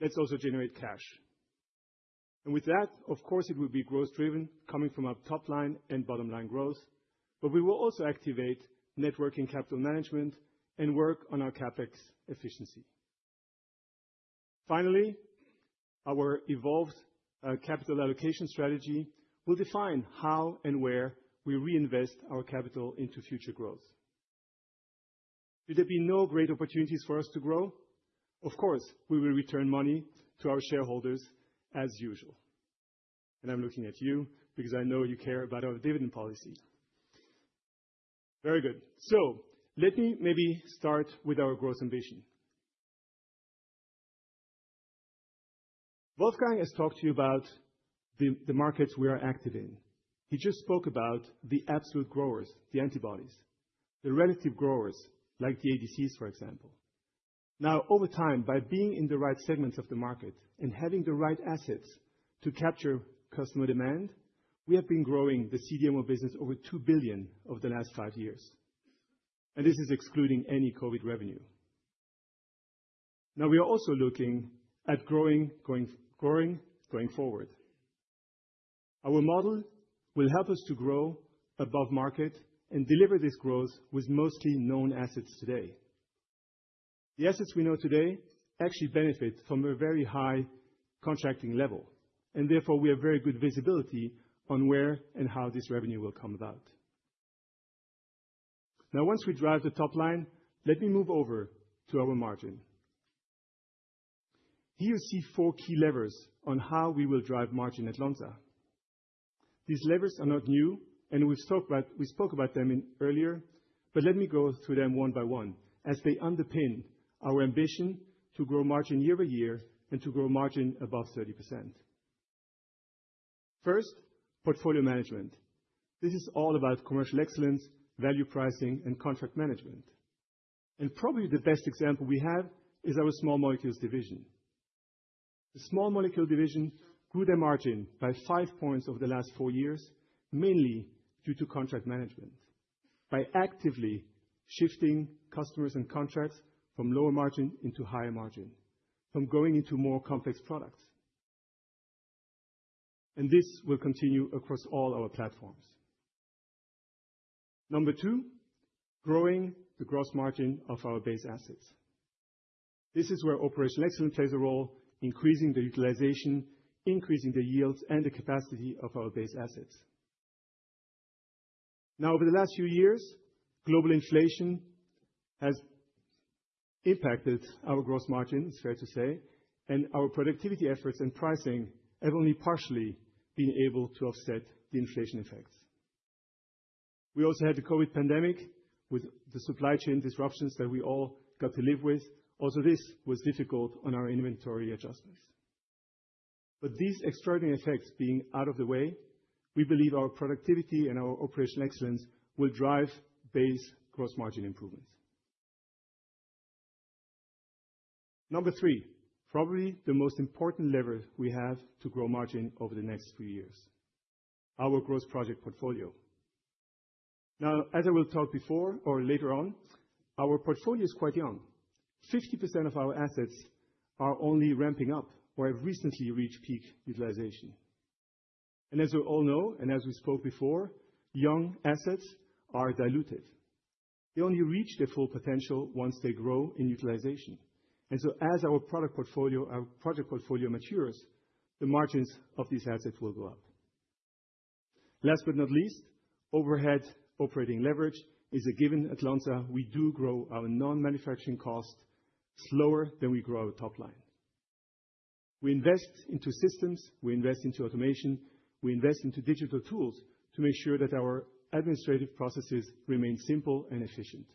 let's also generate cash, and with that, of course, it will be growth-driven coming from our top line and bottom line growth, but we will also activate working capital management and work on our CapEx efficiency. Finally, our evolved capital allocation strategy will define how and where we reinvest our capital into future growth. Would there be no great opportunities for us to grow? Of course, we will return money to our shareholders as usual, and I'm looking at you because I know you care about our dividend policy. Very good, so let me maybe start with our growth ambition. Wolfgang has talked to you about the markets we are active in. He just spoke about the absolute growers, the antibodies, the relative growers like the ADCs, for example. Now, over time, by being in the right segments of the market and having the right assets to capture customer demand, we have been growing the CDMO business over 2 billion over the last five years. And this is excluding any COVID revenue. Now, we are also looking at growing, growing, growing forward. Our model will help us to grow above market and deliver this growth with mostly known assets today. The assets we know today actually benefit from a very high contracting level. And therefore, we have very good visibility on where and how this revenue will come about. Now, once we drive the top line, let me move over to our margin. Here you see four key levers on how we will drive margin at Lonza. These levers are not new, and we spoke about them earlier. But let me go through them one by one as they underpin our ambition to grow margin year by year and to grow margin above 30%. First, portfolio management. This is all about commercial excellence, value pricing, and contract management. And probably the best example we have is our Small Molecules division. The Small Molecules division grew their margin by five points over the last four years, mainly due to contract management, by actively shifting customers and contracts from lower margin into higher margin, from going into more complex products. And this will continue across all our platforms. Number two, growing the gross margin of our base assets. This is where operational excellence plays a role, increasing the utilization, increasing the yields, and the capacity of our base assets. Now, over the last few years, global inflation has impacted our gross margin, it's fair to say, and our productivity efforts and pricing have only partially been able to offset the inflation effects. We also had the COVID pandemic with the supply chain disruptions that we all got to live with. Also, this was difficult on our inventory adjustments. But these extraordinary effects being out of the way, we believe our productivity and our operational excellence will drive base gross margin improvements. Number three, probably the most important lever we have to grow margin over the next few years, our growth project portfolio. Now, as I will talk before or later on, our portfolio is quite young. 50% of our assets are only ramping up or have recently reached peak utilization. And as we all know, and as we spoke before, young assets are dilutive. They only reach their full potential once they grow in utilization. And so, as our product portfolio, our project portfolio matures, the margins of these assets will go up. Last but not least, overhead operating leverage is a given at Lonza. We do grow our non-manufacturing cost slower than we grow our top line. We invest into systems. We invest into automation. We invest into digital tools to make sure that our administrative processes remain simple and efficient.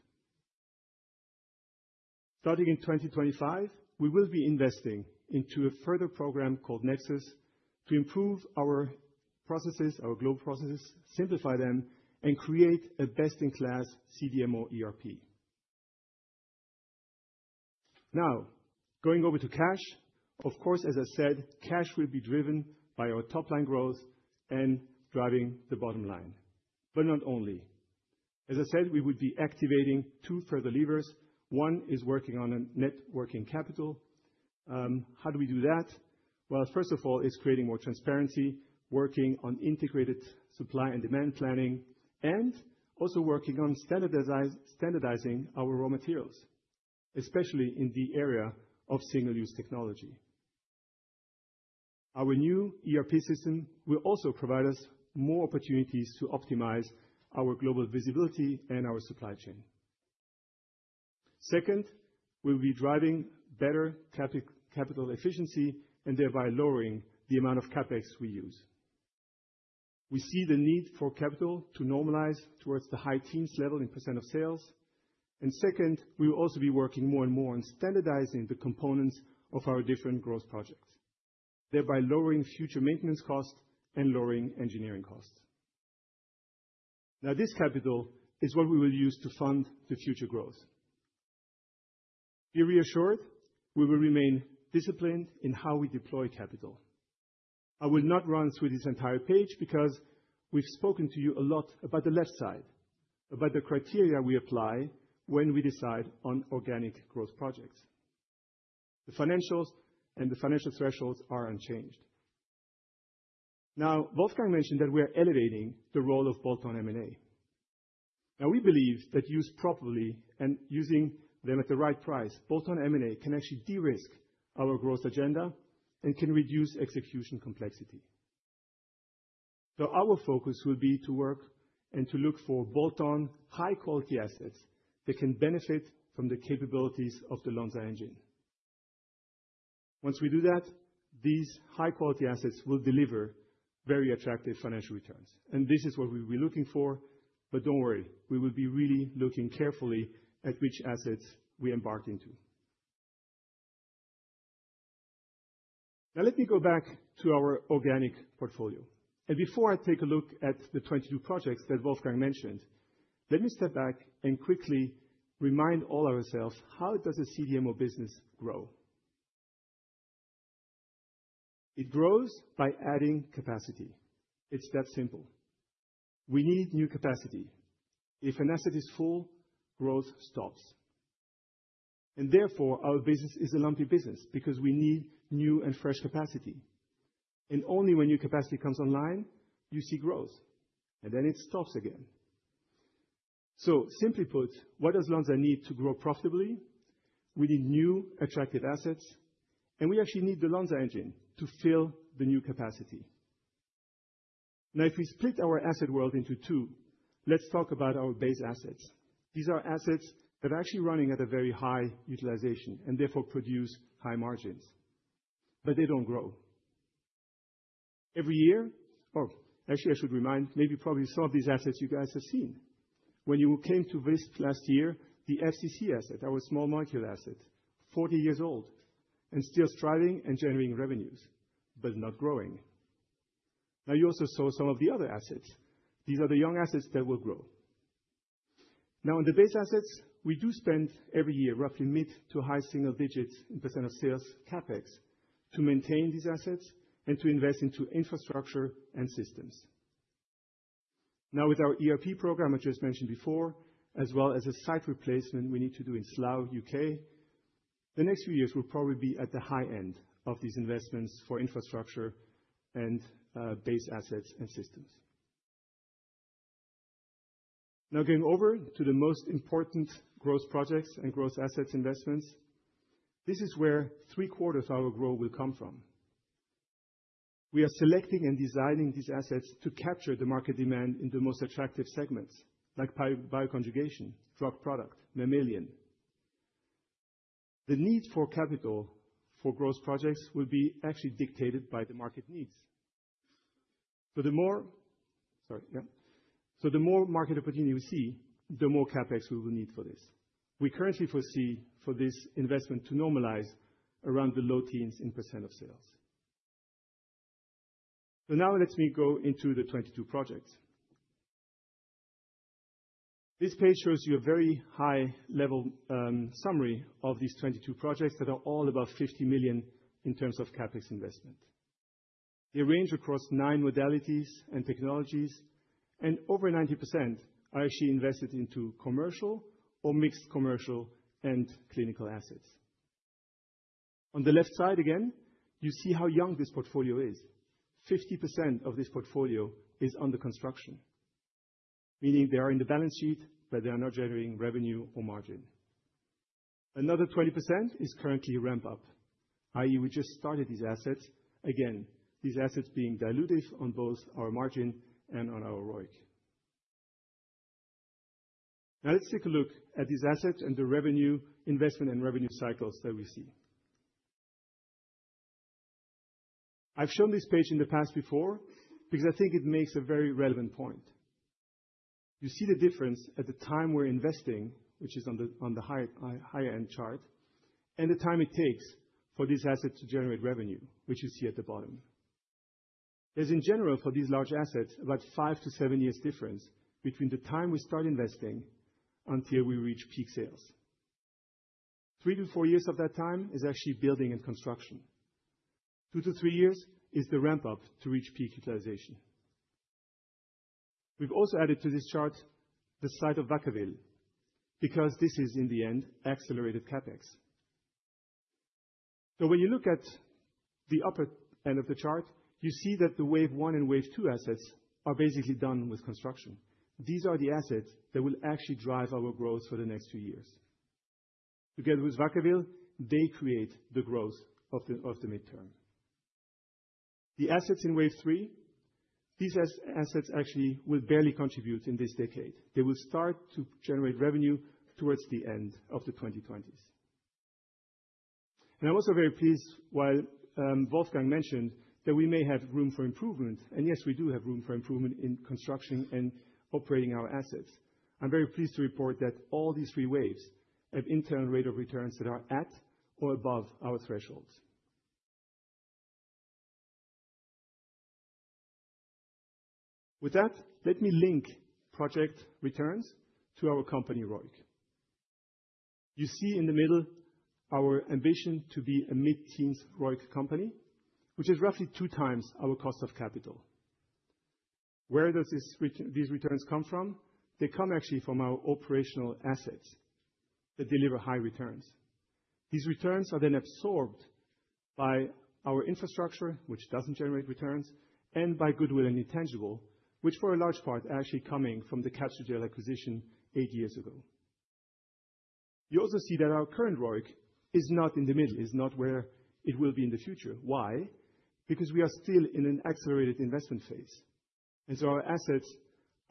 Starting in 2025, we will be investing into a further program called Nexus to improve our processes, our global processes, simplify them, and create a best-in-class CDMO ERP. Now, going over to cash, of course, as I said, cash will be driven by our top line growth and driving the bottom line. But not only. As I said, we would be activating two further levers. One is working on working capital. How do we do that? Well, first of all, it's creating more transparency, working on integrated supply and demand planning, and also working on standardizing our raw materials, especially in the area of single-use technology. Our new ERP system will also provide us more opportunities to optimize our global visibility and our supply chain. Second, we'll be driving better capital efficiency and thereby lowering the amount of CapEx we use. We see the need for capital to normalize towards the high teens level in % of sales. And second, we will also be working more and more on standardizing the components of our different growth projects, thereby lowering future maintenance costs and lowering engineering costs. Now, this capital is what we will use to fund the future growth. Be reassured, we will remain disciplined in how we deploy capital. I will not run through this entire page because we've spoken to you a lot about the left side, about the criteria we apply when we decide on organic growth projects. The financials and the financial thresholds are unchanged. Now, Wolfgang mentioned that we are elevating the role of bolt-on M&A. Now, we believe that used properly and using them at the right price, bolt-on M&A can actually de-risk our growth agenda and can reduce execution complexity. So our focus will be to work and to look for bolt-on high-quality assets that can benefit from the capabilities of the Lonza Engine. Once we do that, these high-quality assets will deliver very attractive financial returns. And this is what we will be looking for. But don't worry, we will be really looking carefully at which assets we embark into. Now, let me go back to our organic portfolio. Before I take a look at the 22 projects that Wolfgang mentioned, let me step back and quickly remind all ourselves how does a CDMO business grow. It grows by adding capacity. It's that simple. We need new capacity. If an asset is full, growth stops. And therefore, our business is a lumpy business because we need new and fresh capacity. And only when new capacity comes online, you see growth. And then it stops again. Simply put, what does Lonza need to grow profitably? We need new attractive assets. And we actually need the Lonza Engine to fill the new capacity. Now, if we split our asset world into two, let's talk about our base assets. These are assets that are actually running at a very high utilization and therefore produce high margins, but they don't grow. Every year, or actually, I should remind, maybe probably some of these assets you guys have seen. When you came to Visp last year, the FCC asset, our small molecule asset, 40 years old and still striving and generating revenues, but not growing. Now, you also saw some of the other assets. These are the young assets that will grow. Now, on the base assets, we do spend every year roughly mid- to high-single-digits % of sales CapEx to maintain these assets and to invest into infrastructure and systems. Now, with our ERP program, I just mentioned before, as well as a site replacement we need to do in Slough, U.K., the next few years will probably be at the high end of these investments for infrastructure and base assets and systems. Now, going over to the most important growth projects and growth assets investments, this is where three quarters of our growth will come from. We are selecting and designing these assets to capture the market demand in the most attractive segments, like bioconjugation, drug product, mammalian. The need for capital for growth projects will be actually dictated by the market needs. So the more, sorry, yeah. So the more market opportunity we see, the more CapEx we will need for this. We currently foresee for this investment to normalize around the low teens % of sales. So now let me go into the 22 projects. This page shows you a very high-level summary of these 22 projects that are all about 50 million in terms of CapEx investment. They range across nine modalities and technologies, and over 90% are actually invested into commercial or mixed commercial and clinical assets. On the left side again, you see how young this portfolio is. 50% of this portfolio is under construction, meaning they are in the balance sheet, but they are not generating revenue or margin. Another 20% is currently ramp up, i.e., we just started these assets. Again, these assets being dilutive on both our margin and on our ROIC. Now, let's take a look at these assets and the revenue investment and revenue cycles that we see. I've shown this page in the past before because I think it makes a very relevant point. You see the difference at the time we're investing, which is on the higher-end chart, and the time it takes for these assets to generate revenue, which you see at the bottom. There's, in general, for these large assets, about five to seven years difference between the time we start investing until we reach peak sales. Three to four years of that time is actually building and construction. Two to three years is the ramp up to reach peak utilization. We've also added to this chart the site of Vacaville because this is, in the end, accelerated CapEx. So when you look at the upper end of the chart, you see that the wave one and wave two assets are basically done with construction. These are the assets that will actually drive our growth for the next two years. Together with Vacaville, they create the growth of the midterm. The assets in wave three, these assets actually will barely contribute in this decade. They will start to generate revenue towards the end of the 2020s. And I'm also very pleased, while Wolfgang mentioned, that we may have room for improvement. And yes, we do have room for improvement in construction and operating our assets. I'm very pleased to report that all these three waves have internal rate of returns that are at or above our thresholds. With that, let me link project returns to our company, ROIC. You see in the middle our ambition to be a mid-teens ROIC company, which is roughly two times our cost of capital. Where do these returns come from? They come actually from our operational assets that deliver high returns. These returns are then absorbed by our infrastructure, which doesn't generate returns, and by goodwill and intangible, which for a large part are actually coming from the Capsugel acquisition eight years ago. You also see that our current ROIC is not in the middle, is not where it will be in the future. Why? Because we are still in an accelerated investment phase, and so our assets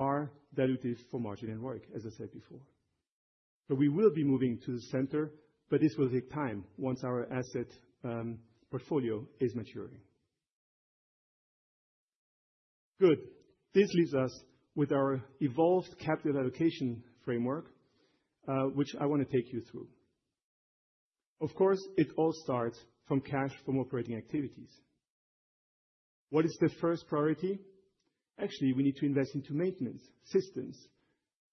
are dilutive for margin and ROIC, as I said before. So we will be moving to the center, but this will take time once our asset portfolio is maturing. Good. This leaves us with our evolved capital allocation framework, which I want to take you through. Of course, it all starts from cash from operating activities. What is the first priority? Actually, we need to invest into maintenance, systems,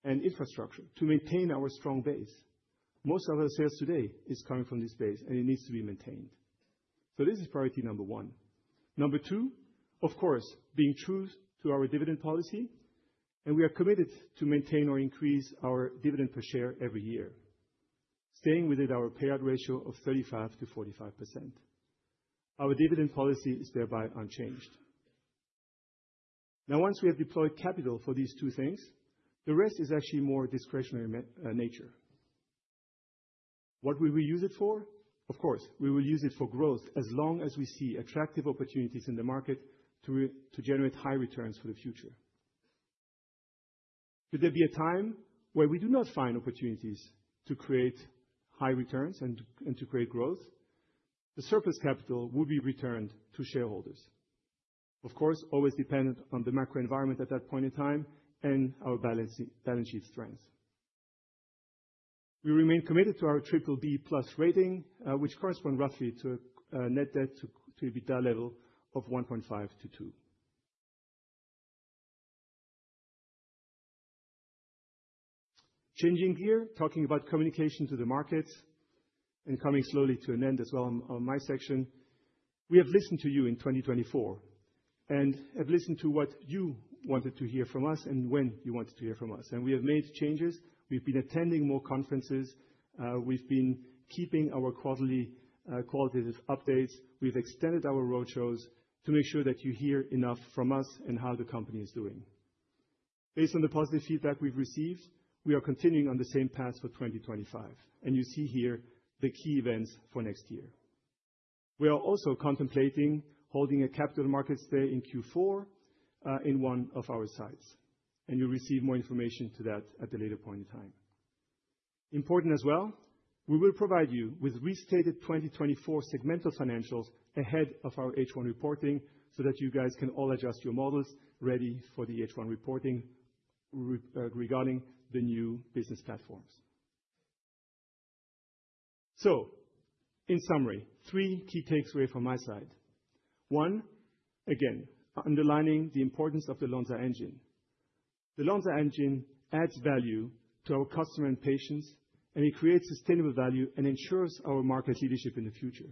and infrastructure to maintain our strong base. Most of our sales today is coming from this base, and it needs to be maintained. So this is priority number one. Number two, of course, being true to our dividend policy. And we are committed to maintain or increase our dividend per share every year, staying within our payout ratio of 35%-45%. Our dividend policy is thereby unchanged. Now, once we have deployed capital for these two things, the rest is actually more discretionary nature. What will we use it for? Of course, we will use it for growth as long as we see attractive opportunities in the market to generate high returns for the future. Could there be a time where we do not find opportunities to create high returns and to create growth? The surplus capital will be returned to shareholders, of course, always dependent on the macro environment at that point in time and our balance sheet strengths. We remain committed to our BBB+ rating, which corresponds roughly to a net debt to EBITDA level of 1.5-2. Changing gear, talking about communication to the markets and coming slowly to an end as well on my section. We have listened to you in 2024 and have listened to what you wanted to hear from us and when you wanted to hear from us, and we have made changes. We've been attending more conferences. We've been keeping our quarterly qualitative updates. We've extended our roadshows to make sure that you hear enough from us and how the company is doing. Based on the positive feedback we've received, we are continuing on the same path for 2025, and you see here the key events for next year. We are also contemplating holding a capital markets day in Q4 in one of our sites, and you'll receive more information to that at a later point in time. Important as well, we will provide you with restated 2024 segmental financials ahead of our H1 reporting so that you guys can all adjust your models ready for the H1 reporting regarding the new business platforms, so in summary, three key takeaways from my side. One, again, underlining the importance of the Lonza Engine. The Lonza Engine adds value to our customer and patients, and it creates sustainable value and ensures our market leadership in the future.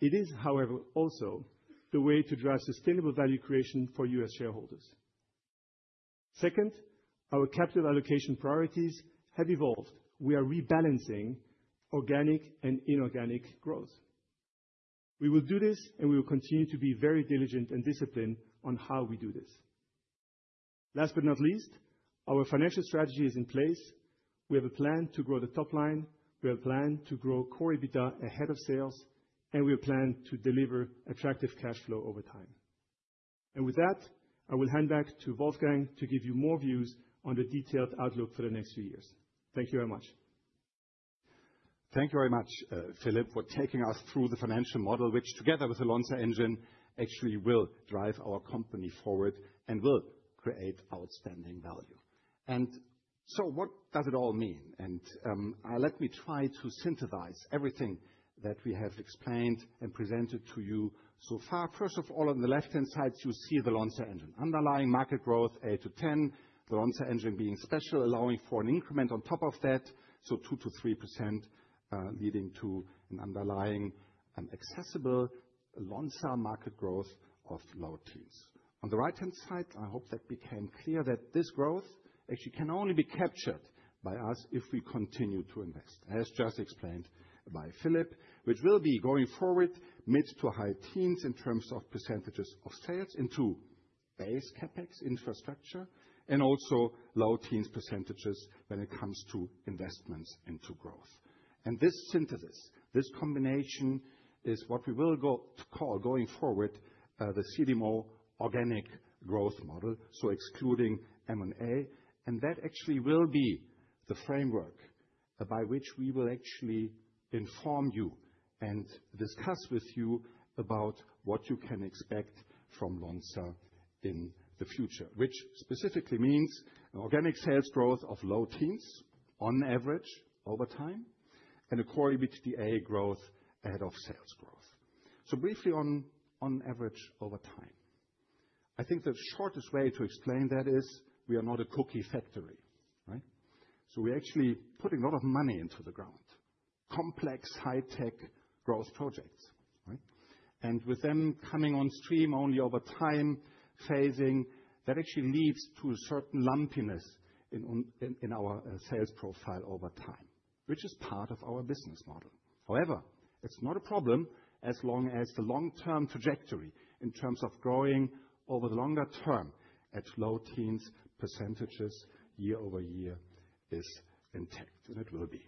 It is, however, also the way to drive sustainable value creation for U.S. shareholders. Second, our capital allocation priorities have evolved. We are rebalancing organic and inorganic growth. We will do this, and we will continue to be very diligent and disciplined on how we do this. Last but not least, our financial strategy is in place. We have a plan to grow the top line. We have a plan to grow Core EBITDA ahead of sales, and we have a plan to deliver attractive cash flow over time. And with that, I will hand back to Wolfgang to give you more views on the detailed outlook for the next few years. Thank you very much. Thank you very much, Philippe, for taking us through the financial model, which together with the Lonza Engine actually will drive our company forward and will create outstanding value. And so what does it all mean? And let me try to synthesize everything that we have explained and presented to you so far. First of all, on the left-hand side, you see the Lonza Engine underlying market growth 8-10, the Lonza Engine being special, allowing for an increment on top of that, so 2-3% leading to an underlying accessible Lonza market growth of low teens. On the right-hand side, I hope that became clear that this growth actually can only be captured by us if we continue to invest, as just explained by Philippe, which will be going forward mid- to high teens in terms of % of sales into base CapEx infrastructure and also low-teens % when it comes to investments into growth, and this synthesis, this combination is what we will call going forward the CDMO organic growth model, so excluding M&A, and that actually will be the framework by which we will actually inform you and discuss with you about what you can expect from Lonza in the future, which specifically means organic sales growth of low teens on average over time and a core EBITDA growth ahead of sales growth. So briefly, on average over time, I think the shortest way to explain that is we are not a cookie factory, right? So we actually put a lot of money into the ground, complex high-tech growth projects, right? And with them coming on stream only over time phasing, that actually leads to a certain lumpiness in our sales profile over time, which is part of our business model. However, it's not a problem as long as the long-term trajectory in terms of growing over the longer term at low teens% year over year is intact, and it will be.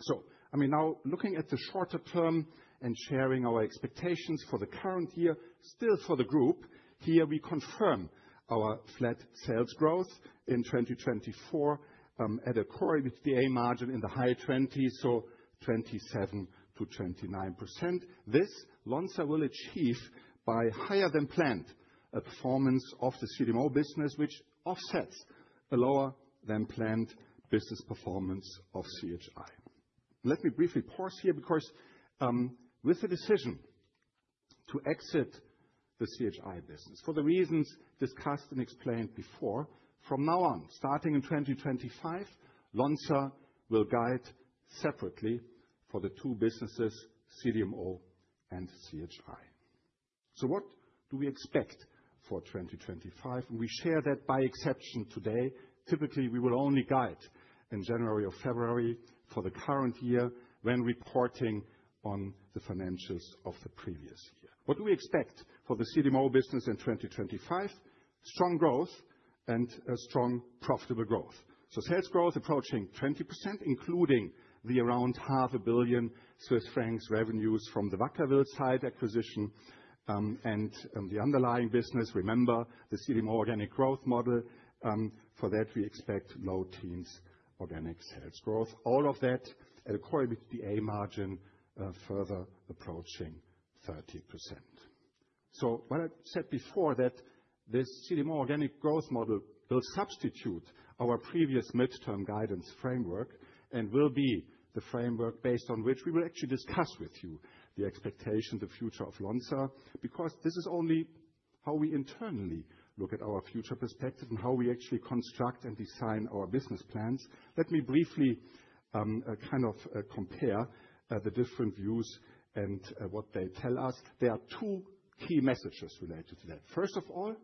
So, I mean, now looking at the shorter term and sharing our expectations for the current year, still for the group here, we confirm our flat sales growth in 2024 at a Core EBITDA margin in the high 20s, so 27%-29%. This Lonza will achieve by higher than planned a performance of the CDMO business, which offsets a lower than planned business performance of CHI. Let me briefly pause here because with the decision to exit the CHI business for the reasons discussed and explained before, from now on, starting in 2025, Lonza will guide separately for the two businesses, CDMO and CHI. So what do we expect for 2025? And we share that by exception today. Typically, we will only guide in January or February for the current year when reporting on the financials of the previous year. What do we expect for the CDMO business in 2025? Strong growth and strong profitable growth. So sales growth approaching 20%, including the around 500 million Swiss francs revenues from the Vacaville site acquisition and the underlying business. Remember the CDMO organic growth model. For that, we expect low teens organic sales growth, all of that at a core EBITDA margin further approaching 30%. So what I said before, that this CDMO organic growth model will substitute our previous midterm guidance framework and will be the framework based on which we will actually discuss with you the expectation, the future of Lonza, because this is only how we internally look at our future perspective and how we actually construct and design our business plans. Let me briefly kind of compare the different views and what they tell us. There are two key messages related to that. First of all,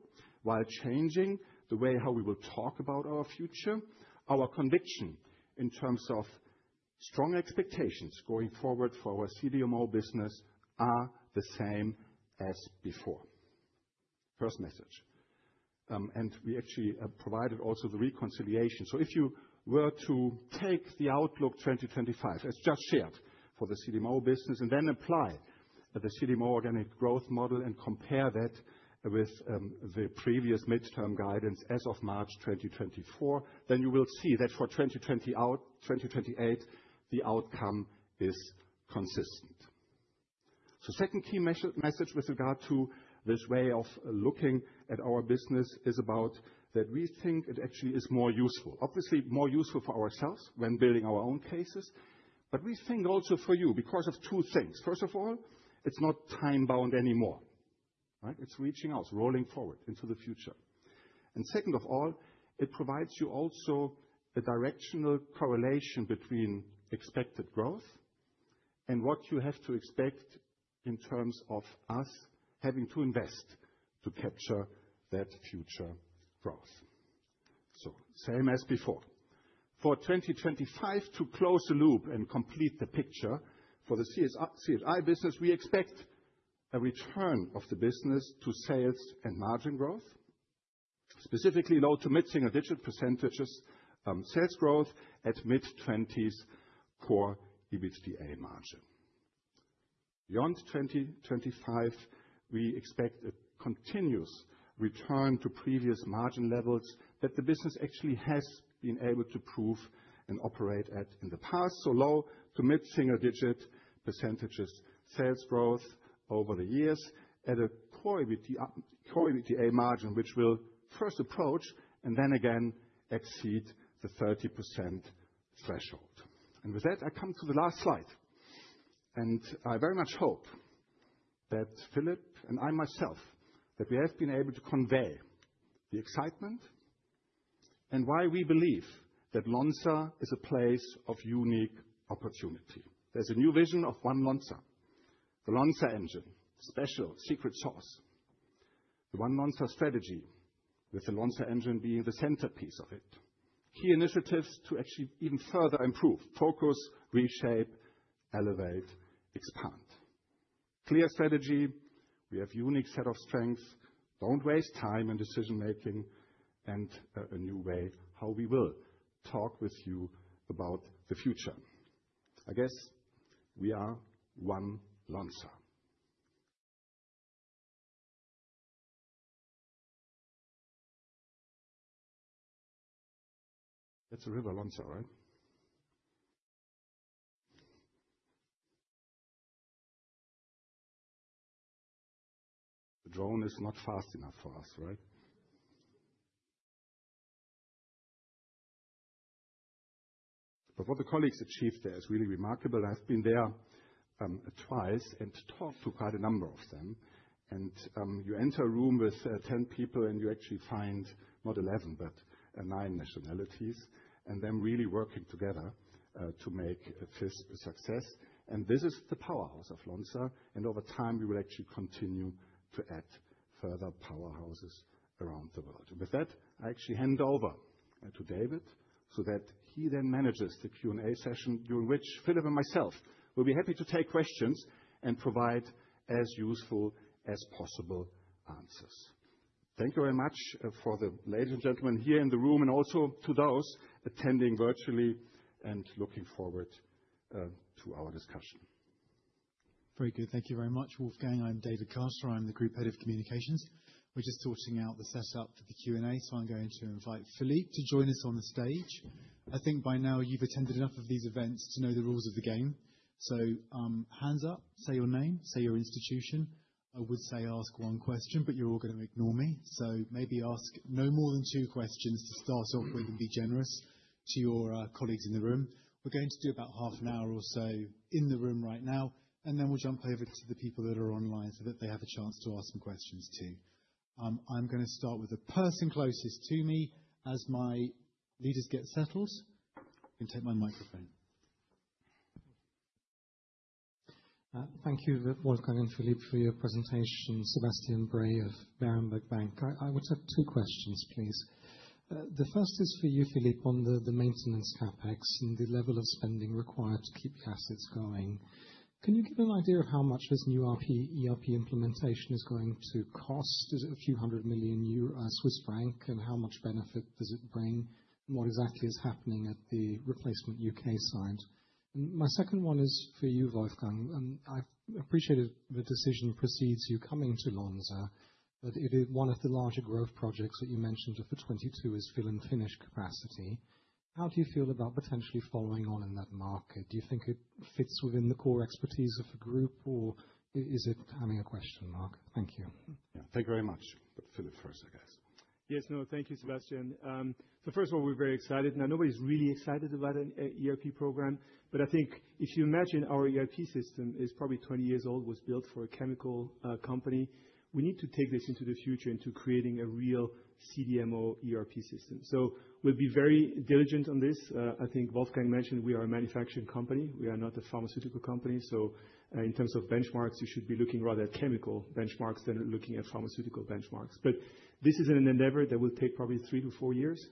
while changing the way how we will talk about our future, our conviction in terms of strong expectations going forward for our CDMO business are the same as before. First message, and we actually provided also the reconciliation. So if you were to take the outlook 2025, as just shared for the CDMO business, and then apply the CDMO organic growth model and compare that with the previous midterm guidance as of March 2024, then you will see that for 2028, the outcome is consistent. So second key message with regard to this way of looking at our business is about that we think it actually is more useful, obviously more useful for ourselves when building our own cases. But we think also for you because of two things. First of all, it's not time-bound anymore, right? It's reaching out, rolling forward into the future. And second of all, it provides you also a directional correlation between expected growth and what you have to expect in terms of us having to invest to capture that future growth. So same as before. For 2025, to close the loop and complete the picture for the CHI business, we expect a return of the business to sales and margin growth, specifically low- to mid-single-digit % sales growth at mid-20s% Core EBITDA margin. Beyond 2025, we expect a continuous return to previous margin levels that the business actually has been able to prove and operate at in the past, so low- to mid-single-digit % sales growth over the years at a Core EBITDA margin, which will first approach and then again exceed the 30% threshold. And with that, I come to the last slide. And I very much hope that Philippe and I myself, that we have been able to convey the excitement and why we believe that Lonza is a place of unique opportunity. There's a new vision of One Lonza, the Lonza Engine, special secret sauce, the One Lonza strategy, with the Lonza Engine being the centerpiece of it. Key initiatives to actually even further improve, focus, reshape, elevate, expand. Clear strategy. We have a unique set of strengths. Don't waste time in decision-making and a new way how we will talk with you about the future. I guess we are One Lonza. That's a river Lonza, right? The drone is not fast enough for us, right, but what the colleagues achieved there is really remarkable. I've been there twice and talked to quite a number of them, and you enter a room with 10 people, and you actually find not 11, but nine nationalities and them really working together to make a Visp a success, and this is the powerhouse of Lonza. And over time, we will actually continue to add further powerhouses around the world. And with that, I actually hand over to David so that he then manages the Q&A session during which Philippe and myself will be happy to take questions and provide as useful as possible answers. Thank you very much for the ladies and gentlemen here in the room and also to those attending virtually and looking forward to our discussion. Very good. Thank you very much, Wolfgang. I'm David Carter. I'm the group head of communications. We're just sorting out the setup for the Q&A, so I'm going to invite Philippe to join us on the stage. I think by now you've attended enough of these events to know the rules of the game. So hands up, say your name, say your institution. I would say ask one question, but you're all going to ignore me. So maybe ask no more than two questions to start off with and be generous to your colleagues in the room. We're going to do about half an hour or so in the room right now, and then we'll jump over to the people that are online so that they have a chance to ask some questions too. I'm going to start with the person closest to me as my leaders get settled. You can take my microphone. Thank you, Wolfgang and Philippe, for your presentation. Sebastian Bray of Berenberg Bank. I would have two questions, please. The first is for you, Philippe, on the maintenance CapEx and the level of spending required to keep your assets going. Can you give an idea of how much this new ERP implementation is going to cost? Is it a few hundred million Swiss francs, and how much benefit does it bring, and what exactly is happening at the replacement U.K. side? And my second one is for you, Wolfgang. I've appreciated the decisions preceding you coming to Lonza, but it is one of the larger growth projects that you mentioned for 2022 is fill and finish capacity. How do you feel about potentially following on in that market? Do you think it fits within the core expertise of the group, or is it having a question mark? Thank you. Yeah, thank you very much, but Philippe first, I guess. Yes, no, thank you, Sebastian. So first of all, we're very excited. Now, nobody's really excited about an ERP program, but I think if you imagine our ERP system is probably 20 years old, was built for a chemical company, we need to take this into the future into creating a real CDMO ERP system. So we'll be very diligent on this. I think Wolfgang mentioned we are a manufacturing company. We are not a pharmaceutical company. So in terms of benchmarks, you should be looking rather at chemical benchmarks than looking at pharmaceutical benchmarks. But this is an endeavor that will take probably three to four years.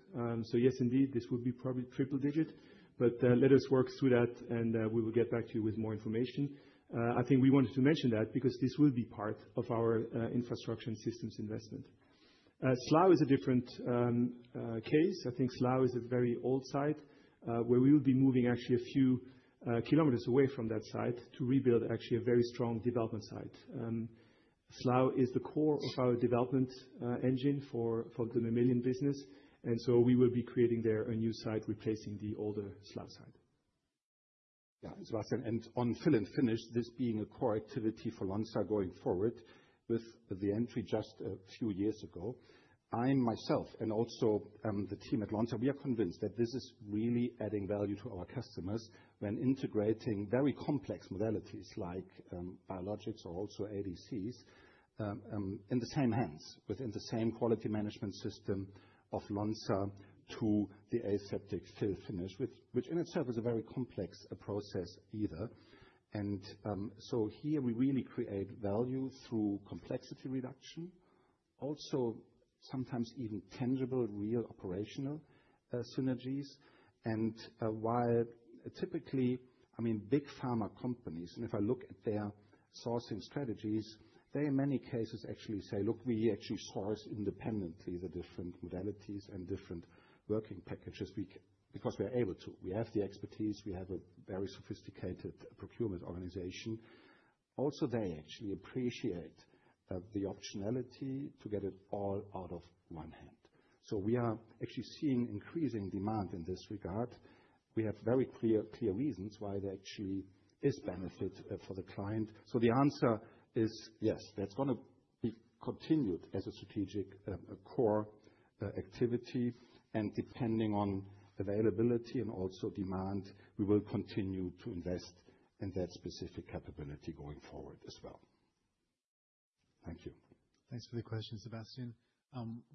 So yes, indeed, this will be probably triple digit, but let us work through that, and we will get back to you with more information. I think we wanted to mention that because this will be part of our infrastructure and systems investment. Slough is a different case. I think Slough is a very old site where we will be moving actually a few kilometers away from that site to rebuild actually a very strong development site. Slough is the core of our development engine for the mammalian business, and so we will be creating there a new site replacing the older Slough site. Yeah, Sebastian, and on fill and finish, this being a core activity for Lonza going forward with the entry just a few years ago, I myself and also the team at Lonza, we are convinced that this is really adding value to our customers when integrating very complex modalities like biologics or also ADCs in the same hands, within the same quality management system of Lonza to the aseptic fill and finish, which in itself is a very complex process either. And so here we really create value through complexity reduction, also sometimes even tangible, real operational synergies. And while typically, I mean, big pharma companies, and if I look at their sourcing strategies, they in many cases actually say, "Look, we actually source independently the different modalities and different working packages because we are able to. We have the expertise. We have a very sophisticated procurement organization." Also, they actually appreciate the optionality to get it all out of one hand. So we are actually seeing increasing demand in this regard. We have very clear reasons why there actually is benefit for the client. So the answer is yes, that's going to be continued as a strategic core activity. And depending on availability and also demand, we will continue to invest in that specific capability going forward as well. Thank you. Thanks for the question, Sebastian.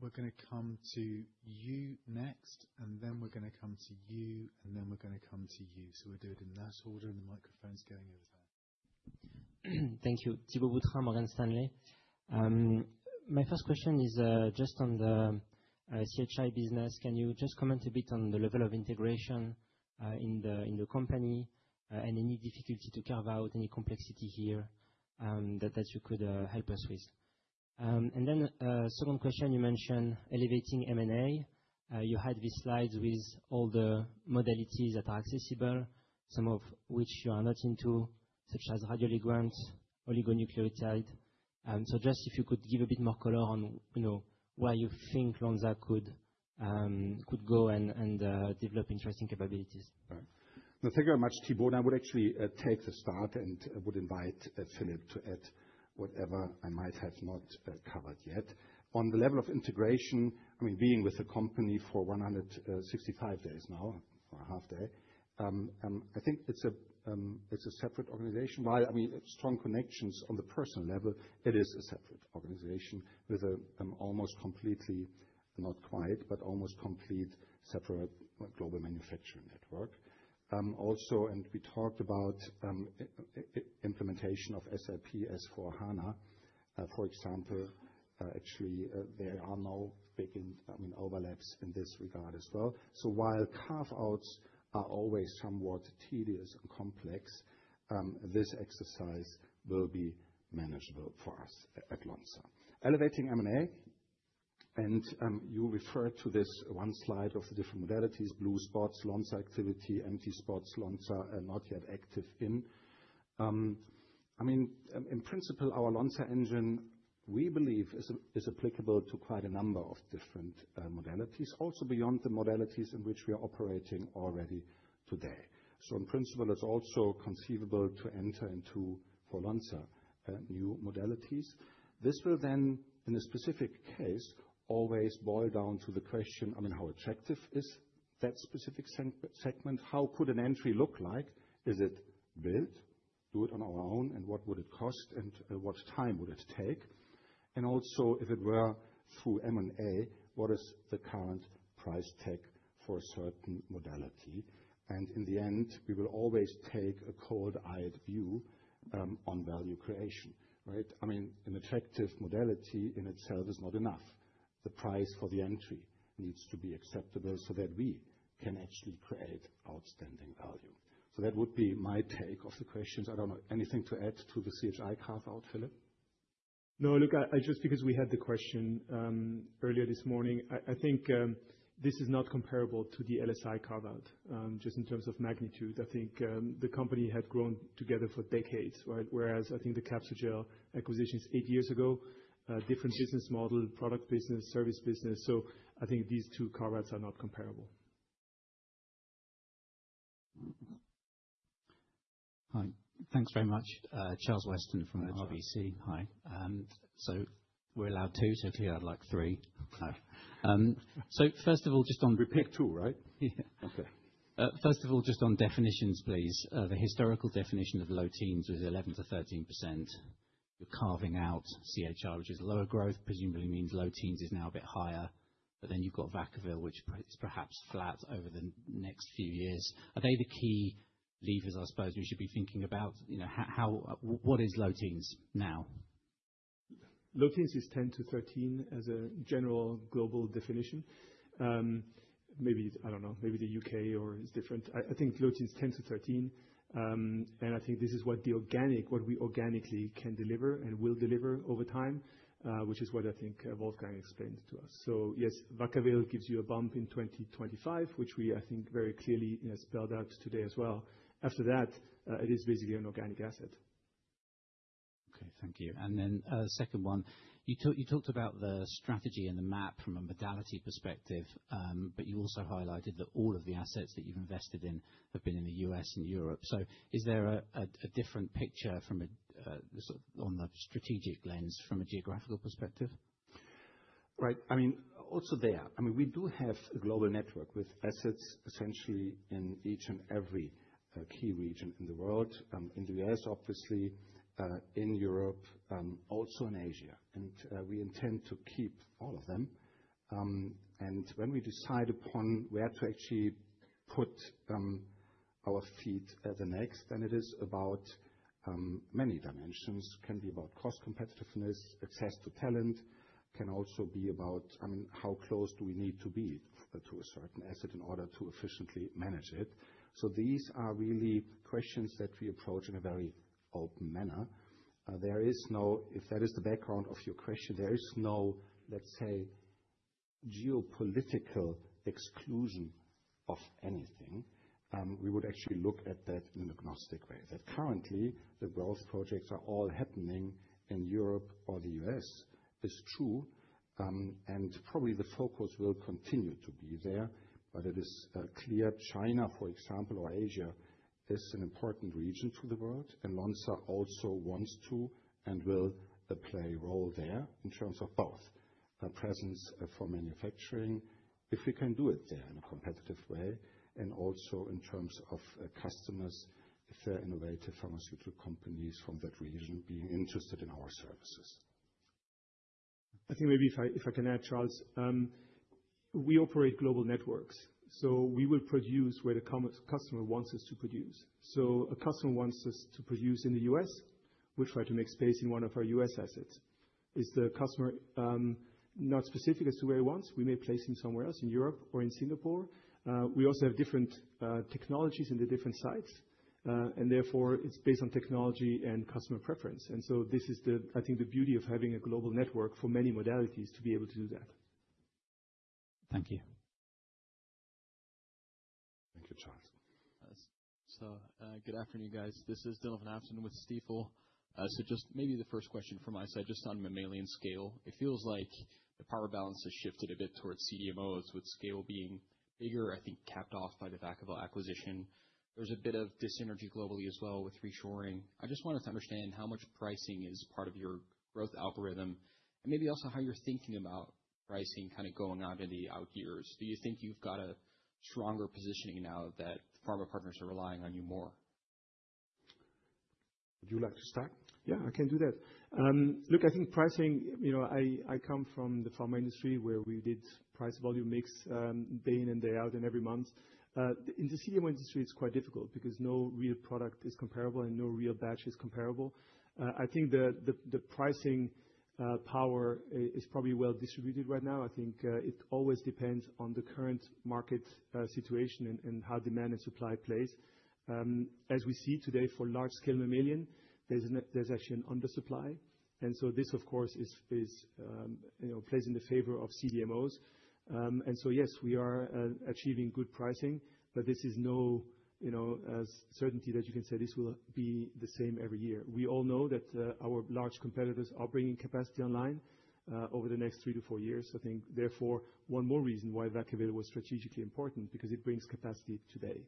We're going to come to you next, and then we're going to come to you, and then we're going to come to you. So we'll do it in that order, and the microphone's going over there. Thank you. Thibault Boutherin, Morgan Stanley. My first question is just on the CHI business. Can you just comment a bit on the level of integration in the company and any difficulty to carve out any complexity here that you could help us with? And then second question, you mentioned elevating M&A. You had these slides with all the modalities that are accessible, some of which you are not into, such as radioligand, oligonucleotide. So just if you could give a bit more color on where you think Lonza could go and develop interesting capabilities. Right. No, thank you very much, Thibault. I would actually take the start and would invite Philippe to add whatever I might have not covered yet. On the level of integration, I mean, being with the company for 165 days now, for a half day, I think it's a separate organization. While I mean, strong connections on the personal level, it is a separate organization with an almost completely, not quite, but almost complete separate global manufacturing network. Also, and we talked about implementation of SAP S/4HANA, for example, actually there are no big overlaps in this regard as well. So while carve-outs are always somewhat tedious and complex, this exercise will be manageable for us at Lonza. Elevating M&A, and you referred to this one slide of the different modalities, blue spots, Lonza activity, empty spots, Lonza not yet active in. I mean, in principle, our Lonza Engine, we believe, is applicable to quite a number of different modalities, also beyond the modalities in which we are operating already today. So in principle, it's also conceivable to enter into for Lonza new modalities. This will then, in a specific case, always boil down to the question, I mean, how attractive is that specific segment? How could an entry look like? Is it built, do it on our own, and what would it cost, and what time would it take? And also, if it were through M&A, what is the current price tag for a certain modality? And in the end, we will always take a cold-eyed view on value creation, right? I mean, an attractive modality in itself is not enough. The price for the entry needs to be acceptable so that we can actually create outstanding value. So that would be my take of the questions. I don't know. Anything to add to the CHI carve-out, Philippe? No, look, just because we had the question earlier this morning, I think this is not comparable to the LSI carve-out just in terms of magnitude. I think the company had grown together for decades, whereas I think the Capsugel acquisitions eight years ago, different business model, product business, service business. So I think these two carve-outs are not comparable. Hi. Thanks very much. Charles Weston from RBC. Hi. So we're allowed two, so clearly I'd like three. So first of all, just on. We pick two, right? Yeah. Okay. First of all, just on definitions, please. The historical definition of low teens was 11%-13%. You're carving out CHI, which is lower growth, presumably means low teens is now a bit higher, but then you've got Vacaville, which is perhaps flat over the next few years. Are they the key levers, I suppose, we should be thinking about? What is low teens now? Low teens is 10-13 as a general global definition. Maybe, I don't know, maybe the U.K. or it's different. I think low teens 10-13, and I think this is what we organically can deliver and will deliver over time, which is what I think Wolfgang explained to us. So yes, Vacaville gives you a bump in 2025, which we, I think, very clearly spelled out today as well. After that, it is basically an organic asset. Okay, thank you. And then second one, you talked about the strategy and the map from a modality perspective, but you also highlighted that all of the assets that you've invested in have been in the U.S. and Europe. So is there a different picture on the strategic lens from a geographical perspective? Right. I mean, also there, I mean, we do have a global network with assets essentially in each and every key region in the world, in the U.S., obviously, in Europe, also in Asia. And we intend to keep all of them. And when we decide upon where to actually put our feet at the next, then it is about many dimensions. It can be about cost competitiveness, access to talent, can also be about, I mean, how close do we need to be to a certain asset in order to efficiently manage it. So these are really questions that we approach in a very open manner. If that is the background of your question, there is no, let's say, geopolitical exclusion of anything. We would actually look at that in an agnostic way, that currently the growth projects are all happening in Europe or the U.S. is true, and probably the focus will continue to be there. But it is clear China, for example, or Asia is an important region to the world, and Lonza also wants to and will play a role there in terms of both presence for manufacturing, if we can do it there in a competitive way, and also in terms of customers, if they're innovative pharmaceutical companies from that region being interested in our services. I think maybe if I can add, Charles, we operate global networks. So we will produce where the customer wants us to produce. So a customer wants us to produce in the U.S., we'll try to make space in one of our U.S. assets. If the customer is not specific as to where he wants, we may place him somewhere else in Europe or in Singapore. We also have different technologies in the different sites, and therefore it's based on technology and customer preference. And so this is, I think, the beauty of having a global network for many modalities to be able to do that. Thank you. Thank you, Charles. Good afternoon, guys. This is Dylan Van Haaften with Stifel. Just maybe the first question from my side, just on mammalian scale, it feels like the power balance has shifted a bit towards CDMOs with scale being bigger, I think capped off by the Vacaville acquisition. There's a bit of dyssynergy globally as well with reshoring. I just wanted to understand how much pricing is part of your growth algorithm and maybe also how you're thinking about pricing kind of going on in the out years. Do you think you've got a stronger positioning now that pharma partners are relying on you more? Would you like to start? Yeah, I can do that. Look, I think pricing. I come from the pharma industry where we did price volume mix day in and day out and every month. In the CDMO industry, it's quite difficult because no real product is comparable and no real batch is comparable. I think the pricing power is probably well distributed right now. I think it always depends on the current market situation and how demand and supply plays. As we see today for large-scale mammalian, there's actually an undersupply, and so this, of course, plays in the favor of CDMOs. So yes, we are achieving good pricing, but this is no certainty that you can say this will be the same every year. We all know that our large competitors are bringing capacity online over the next three to four years. I think, therefore, one more reason why Vacaville was strategically important because it brings capacity today.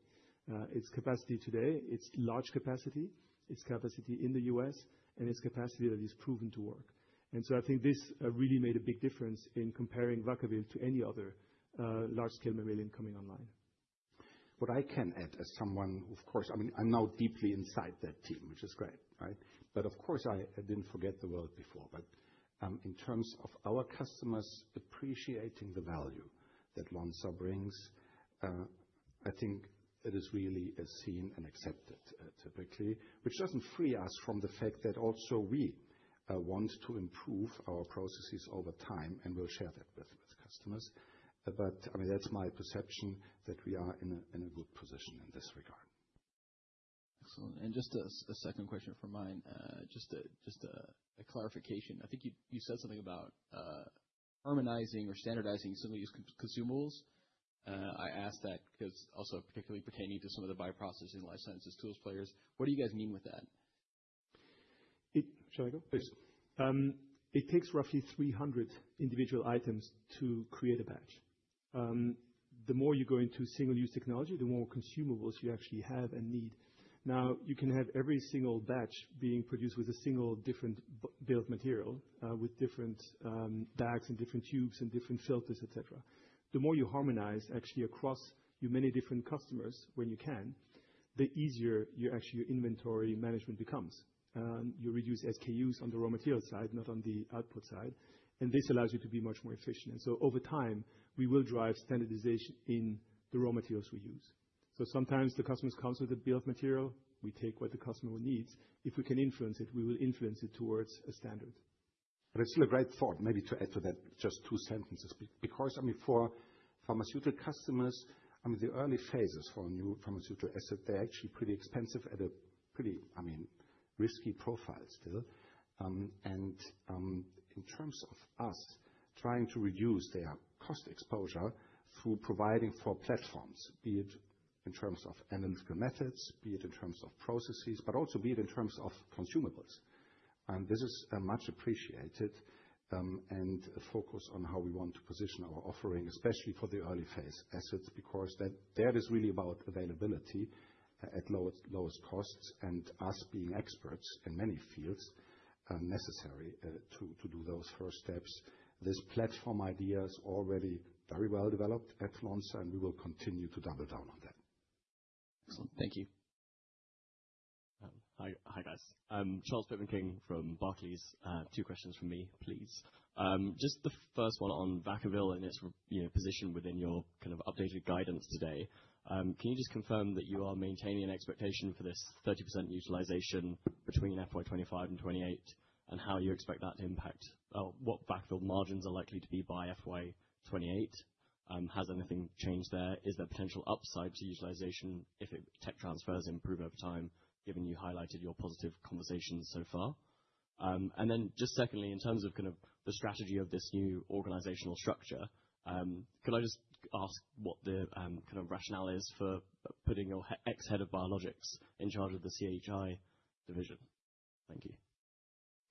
It's capacity today, it's large capacity, it's capacity in the U.S., and it's capacity that is proven to work. So I think this really made a big difference in comparing Vacaville to any other large-scale mammalian coming online. What I can add as someone, of course, I mean, I'm now deeply inside that team, which is great, right? But of course, I didn't forget the world before. But in terms of our customers appreciating the value that Lonza brings, I think it is really seen and accepted typically, which doesn't free us from the fact that also we want to improve our processes over time and we'll share that with customers. But I mean, that's my perception that we are in a good position in this regard. Excellent. And just a second question from me, just a clarification. I think you said something about harmonizing or standardizing some of these consumables. I asked that because also particularly pertaining to some of the biopharma and life sciences tools players. What do you guys mean with that? Shall I go? Please. It takes roughly 300 individual items to create a batch. The more you go into single-use technology, the more consumables you actually have and need. Now, you can have every single batch being produced with a single different build material with different bags and different tubes and different filters, etc. The more you harmonize actually across many different customers when you can, the easier your inventory management becomes. You reduce SKUs on the raw material side, not on the output side, and this allows you to be much more efficient, and so over time, we will drive standardization in the raw materials we use, so sometimes the customer comes with a build material, we take what the customer needs. If we can influence it, we will influence it towards a standard. But it's still a great thought maybe to add to that just two sentences because, I mean, for pharmaceutical customers, I mean, the early phases for a new pharmaceutical asset, they're actually pretty expensive at a pretty, I mean, risky profile still. And in terms of us trying to reduce their cost exposure through providing for platforms, be it in terms of analytical methods, be it in terms of processes, but also be it in terms of consumables. And this is much appreciated and a focus on how we want to position our offering, especially for the early phase assets because that is really about availability at lowest costs and us being experts in many fields necessary to do those first steps. This platform idea is already very well developed at Lonza, and we will continue to double down on that. Excellent. Thank you. Hi guys. I'm Charles Pitman-King from Barclays. Two questions from me, please. Just the first one on Vacaville and its position within your kind of updated guidance today. Can you just confirm that you are maintaining an expectation for this 30% utilization between FY 2025 and 2028 and how you expect that to impact what Vacaville margins are likely to be by FY 2028? Has anything changed there? Is there potential upside to utilization if tech transfers improve over time, given you highlighted your positive conversations so far? And then just secondly, in terms of kind of the strategy of this new organizational structure, could I just ask what the kind of rationale is for putting your ex-head of biologics in charge of the CHI division? Thank you.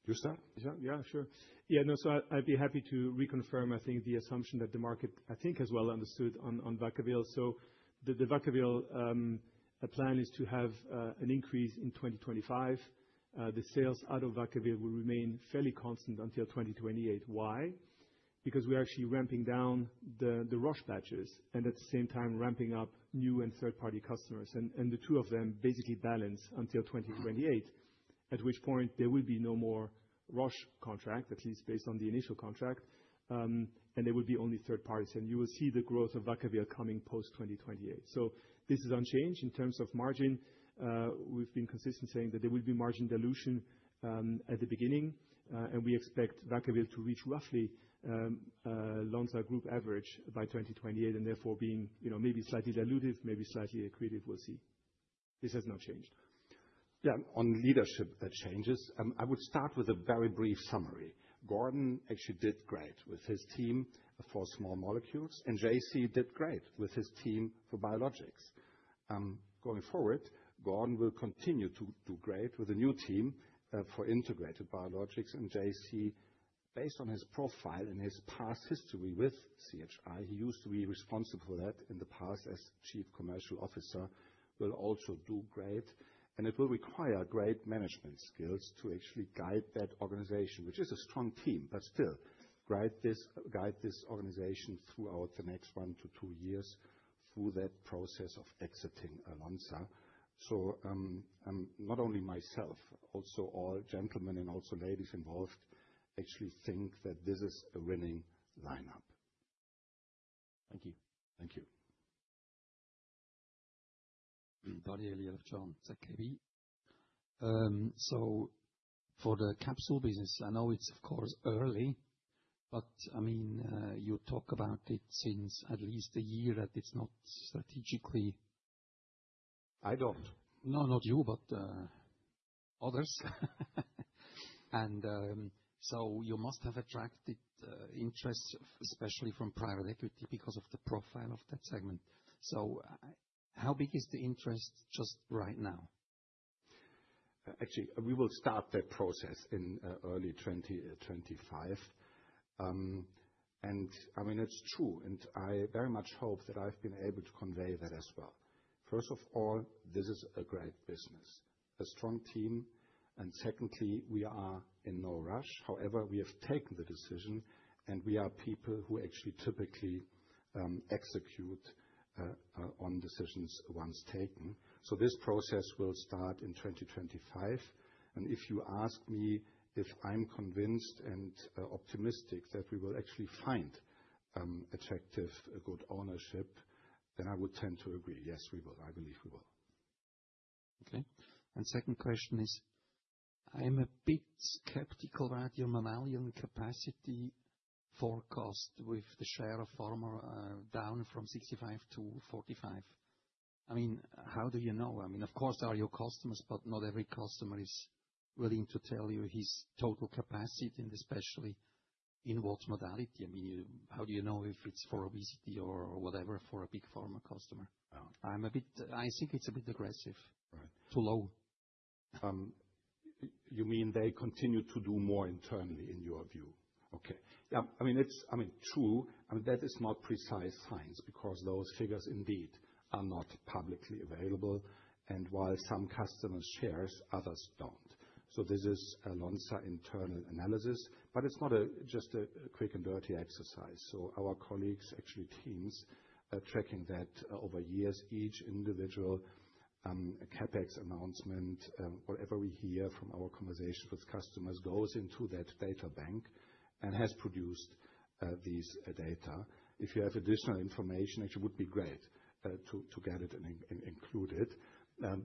You start. Yeah, sure. Yeah, no, so I'd be happy to reconfirm, I think, the assumption that the market, I think, has well understood on Vacaville. So the Vacaville plan is to have an increase in 2025. The sales out of Vacaville will remain fairly constant until 2028. Why? Because we're actually ramping down the Roche batches and at the same time ramping up new and third-party customers. And the two of them basically balance until 2028, at which point there will be no more Roche contract, at least based on the initial contract, and there will be only third parties. And you will see the growth of Vacaville coming post 2028. So this is unchanged in terms of margin. We've been consistent saying that there will be margin dilution at the beginning, and we expect Vacaville to reach roughly Lonza Group average by 2028 and therefore being maybe slightly diluted, maybe slightly accretive. We'll see. This has not changed. Yeah, on leadership changes, I would start with a very brief summary. Gordon actually did great with his team for small molecules, and JC did great with his team for biologics. Going forward, Gordon will continue to do great with a new team for Integrated Biologics. And JC, based on his profile and his past history with CHI, he used to be responsible for that in the past as chief commercial officer, will also do great. And it will require great management skills to actually guide that organization, which is a strong team, but still guide this organization throughout the next one to two years through that process of exiting Lonza. So not only myself, also all gentlemen and also ladies involved actually think that this is a winning lineup. Thank you. Thank you. Daniel, you have John. Thank you. So for the capsule business, I know it's, of course, early, but I mean, you talk about it since at least a year that it's not strategically. I don't. No, not you, but others. And so you must have attracted interest, especially from private equity because of the profile of that segment. So how big is the interest just right now? Actually, we will start that process in early 2025. And I mean, it's true, and I very much hope that I've been able to convey that as well. First of all, this is a great business, a strong team. And secondly, we are in no rush. However, we have taken the decision, and we are people who actually typically execute on decisions once taken. So this process will start in 2025. And if you ask me if I'm convinced and optimistic that we will actually find attractive good ownership, then I would tend to agree. Yes, we will. I believe we will. Okay. Second question is, I'm a bit skeptical about your mammalian capacity forecast with the share of pharma down from 65%-45%. I mean, how do you know? I mean, of course, there are your customers, but not every customer is willing to tell you his total capacity, especially in what modality. I mean, how do you know if it's for obesity or whatever for a big pharma customer? I think it's a bit aggressive. Too low. You mean they continue to do more internally in your view? Okay. Yeah. I mean, it's true. I mean, that is not precise science because those figures indeed are not publicly available. While some customers share, others don't. This is a Lonza internal analysis, but it's not just a quick and dirty exercise. Our colleagues, actually teams, are tracking that over years. Each individual CapEx announcement, whatever we hear from our conversations with customers, goes into that data bank and has produced these data. If you have additional information, it would be great to get it and include it.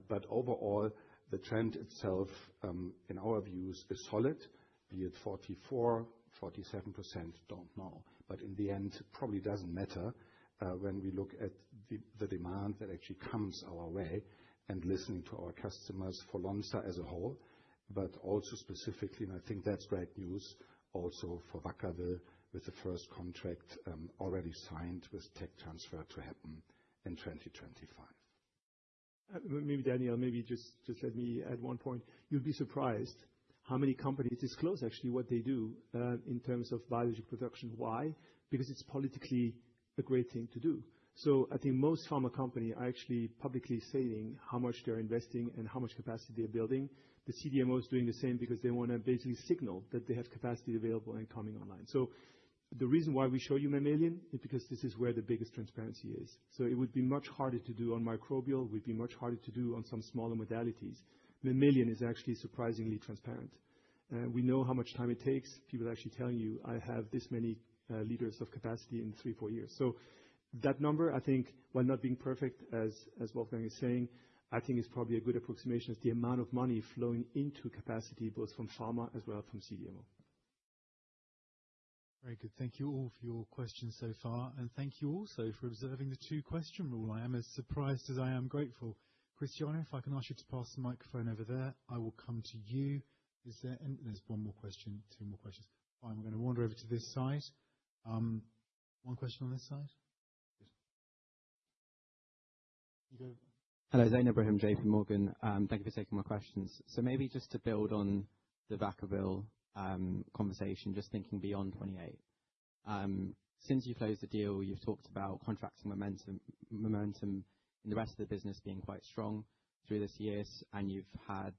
But overall, the trend itself, in our views, is solid. Be it 44%-47%, don't know. But in the end, it probably doesn't matter when we look at the demand that actually comes our way and listening to our customers for Lonza as a whole, but also specifically, and I think that's great news also for Vacaville with the first contract already signed with tech transfer to happen in 2025. Maybe, Daniel, maybe just let me add one point. You'd be surprised how many companies disclose actually what they do in terms of biologics production. Why? Because it's politically a great thing to do. So I think most pharma companies are actually publicly stating how much they're investing and how much capacity they're building. The CDMO is doing the same because they want to basically signal that they have capacity available and coming online. So the reason why we show you mammalian is because this is where the biggest transparency is. So it would be much harder to do on microbial. It would be much harder to do on some smaller modalities. Mammalian is actually surprisingly transparent. We know how much time it takes. People are actually telling you, "I have this many liters of capacity in three, four years." So that number, I think, while not being perfect, as Wolfgang is saying, I think is probably a good approximation of the amount of money flowing into capacity both from pharma as well from CDMO. Very good. Thank you all for your questions so far, and thank you also for observing the two-question rule. I am as surprised as I am grateful. Christiane, if I can ask you to pass the microphone over there, I will come to you. There's one more question, two more questions. Fine. We're going to wander over to this side. One question on this side. Hello, Zain Ibrahim, J.P. Morgan. Thank you for taking my questions. So maybe just to build on the Vacaville conversation, just thinking beyond 28. Since you closed the deal, you've talked about contracting momentum in the rest of the business being quite strong through this year, and you've had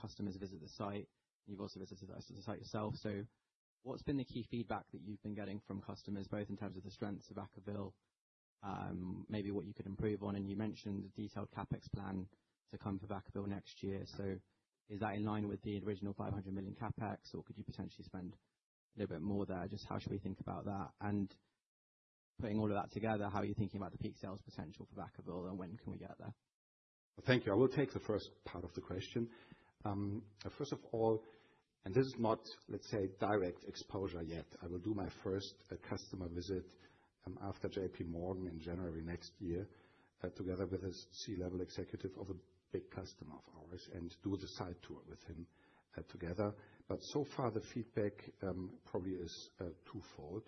customers visit the site. You've also visited the site yourself. So what's been the key feedback that you've been getting from customers, both in terms of the strengths of Vacaville, maybe what you could improve on? And you mentioned a detailed CapEx plan to come for Vacaville next year. So is that in line with the original 500 million CapEx, or could you potentially spend a little bit more there? Just how should we think about that? And putting all of that together, how are you thinking about the peak sales potential for Vacaville, and when can we get there? Thank you. I will take the first part of the question. First of all, and this is not, let's say, direct exposure yet. I will do my first customer visit after J.P. Morgan in January next year together with a C-level executive of a big customer of ours and do the site tour with him together. But so far, the feedback probably is twofold.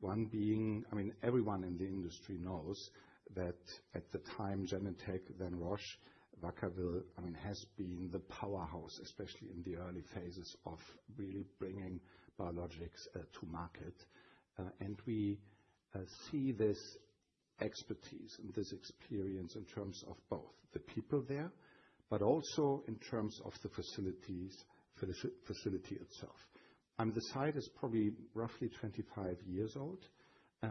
One being, I mean, everyone in the industry knows that at the time, Genentech, then Roche, Vacaville, I mean, has been the powerhouse, especially in the early phases of really bringing biologics to market, and we see this expertise and this experience in terms of both the people there, but also in terms of the facility itself, and the site is probably roughly 25 years old,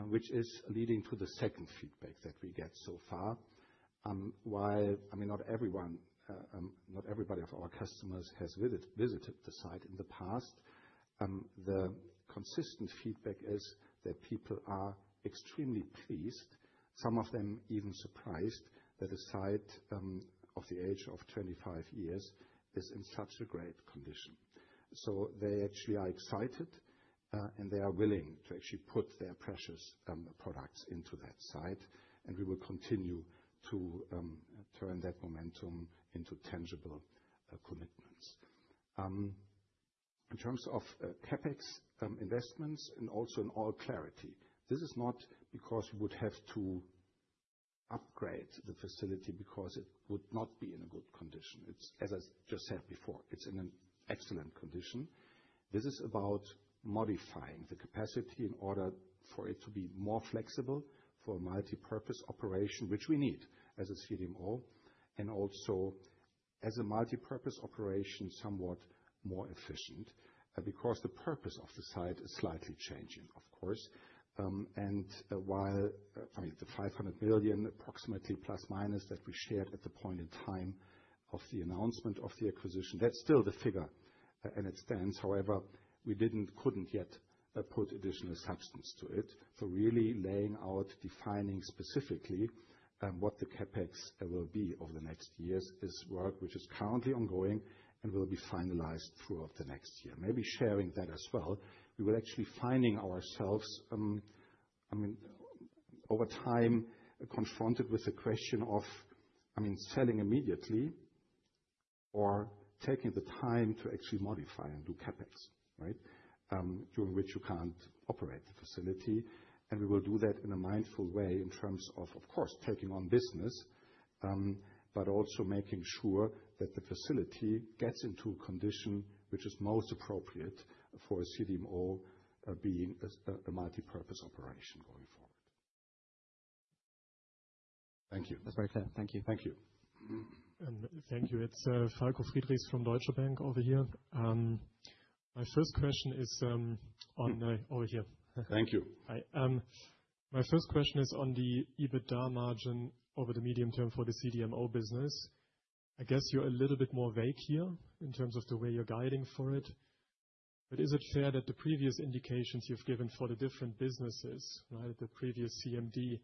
which is leading to the second feedback that we get so far. While, I mean, not everyone of our customers has visited the site in the past, the consistent feedback is that people are extremely pleased, some of them even surprised that a site of the age of 25 years is in such a great condition, so they actually are excited, and they are willing to actually put their precious products into that site. We will continue to turn that momentum into tangible commitments. In terms of CapEx investments and also in all clarity, this is not because we would have to upgrade the facility because it would not be in a good condition. As I just said before, it's in an excellent condition. This is about modifying the capacity in order for it to be more flexible for a multi-purpose operation, which we need as a CDMO, and also as a multi-purpose operation, somewhat more efficient because the purpose of the site is slightly changing, of course. While the 500 million, approximately plus minus, that we shared at the point in time of the announcement of the acquisition, that's still the figure and it stands. However, we couldn't yet put additional substance to it. So really laying out, defining specifically what the CapEx will be over the next years is work, which is currently ongoing and will be finalized throughout the next year. Maybe sharing that as well. We were actually finding ourselves, I mean, over time, confronted with the question of, I mean, selling immediately or taking the time to actually modify and do CapEx, right, during which you can't operate the facility. And we will do that in a mindful way in terms of, of course, taking on business, but also making sure that the facility gets into a condition which is most appropriate for a CDMO being a multi-purpose operation going forward. Thank you. That's very clear. Thank you. Thank you. And thank you. It's Falko Friedrichs from Deutsche Bank over here. My first question is on over here. Thank you. My first question is on the EBITDA margin over the medium term for the CDMO business. I guess you're a little bit more vague here in terms of the way you're guiding for it, but is it fair that the previous indications you've given for the different businesses, right, the previous CMD,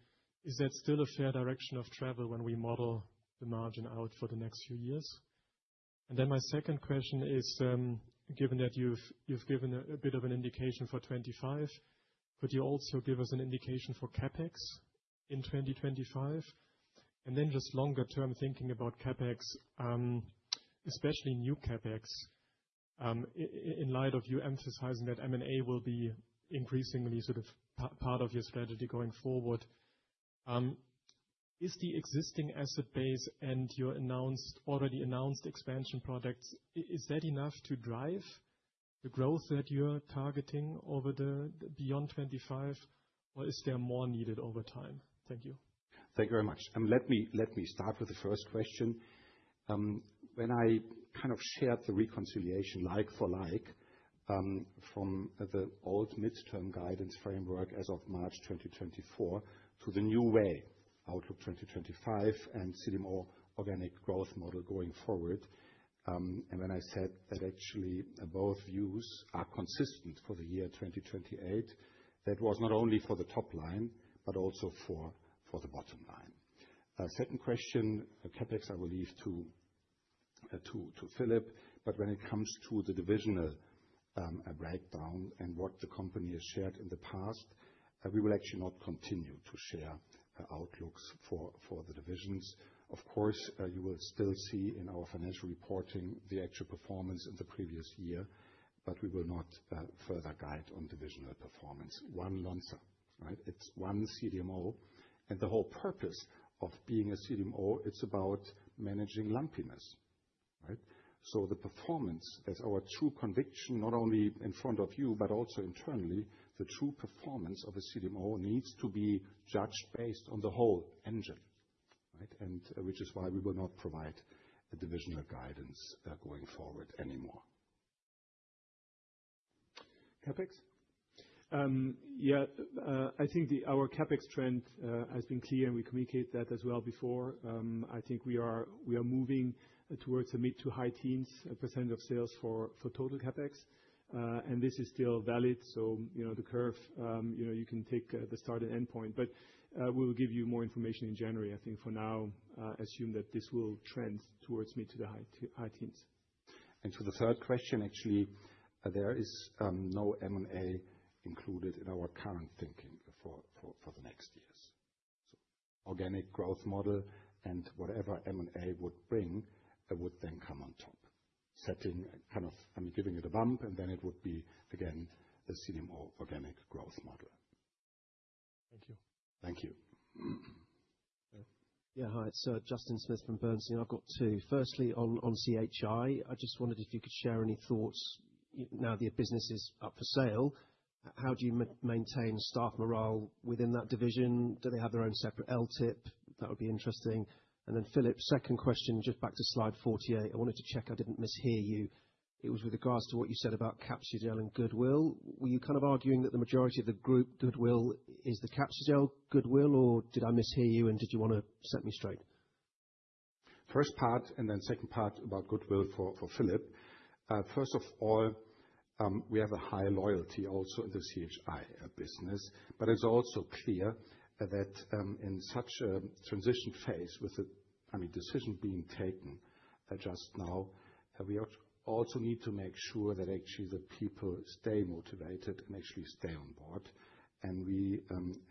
is that still a fair direction of travel when we model the margin out for the next few years, and then my second question is, given that you've given a bit of an indication for 2025, could you also give us an indication for CapEx in 2025, and then just longer-term thinking about CapEx, especially new CapEx, in light of you emphasizing that M&A will be increasingly sort of part of your strategy going forward. Is the existing asset base and your already announced expansion products, is that enough to drive the growth that you're targeting over and beyond 2025, or is there more needed over time? Thank you. Thank you very much. Let me start with the first question. When I kind of shared the reconciliation like for like from the old midterm guidance framework as of March 2024 to the new way, Outlook 2025 and CDMO organic growth model going forward. When I said that actually both views are consistent for the year 2028, that was not only for the top line, but also for the bottom line. Second question, CapEx, I will leave to Philippe. But when it comes to the divisional breakdown and what the company has shared in the past, we will actually not continue to share outlooks for the divisions. Of course, you will still see in our financial reporting the actual performance in the previous year, but we will not further guide on divisional performance. One Lonza, right? It's one CDMO. And the whole purpose of being a CDMO, it's about managing lumpiness, right? So the performance, as our true conviction, not only in front of you, but also internally, the true performance of a CDMO needs to be judged based on the whole engine, right? And which is why we will not provide divisional guidance going forward anymore. CapEx? Yeah. I think our CapEx trend has been clear, and we communicate that as well before. I think we are moving towards a mid- to high-teens % of sales for total CapEx. And this is still valid. So the curve, you can take the start and end point. But we will give you more information in January. I think for now, assume that this will trend towards mid- to high teens. And for the third question, actually, there is no M&A included in our current thinking for the next years. So organic growth model and whatever M&A would bring would then come on top. Setting kind of, I mean, giving it a bump, and then it would be, again, a CDMO organic growth model. Thank you. Thank you. Yeah. Hi. So Justin Smith from Bernstein. I've got two. Firstly, on CHI, I just wondered if you could share any thoughts. Now the business is up for sale. How do you maintain staff morale within that division? Do they have their own separate LTIP? That would be interesting. And then Philippe, second question, just back to slide 48. I wanted to check I didn't mishear you. It was with regards to what you said about Capsugel and goodwill. Were you kind of arguing that the majority of the group goodwill is the Capsugel goodwill, or did I mishear you, and did you want to set me straight? First part and then second part about goodwill for Philippe. First of all, we have a high loyalty also in the CHI business, but it's also clear that in such a transition phase with the, I mean, decision being taken just now, we also need to make sure that actually the people stay motivated and actually stay on board. And we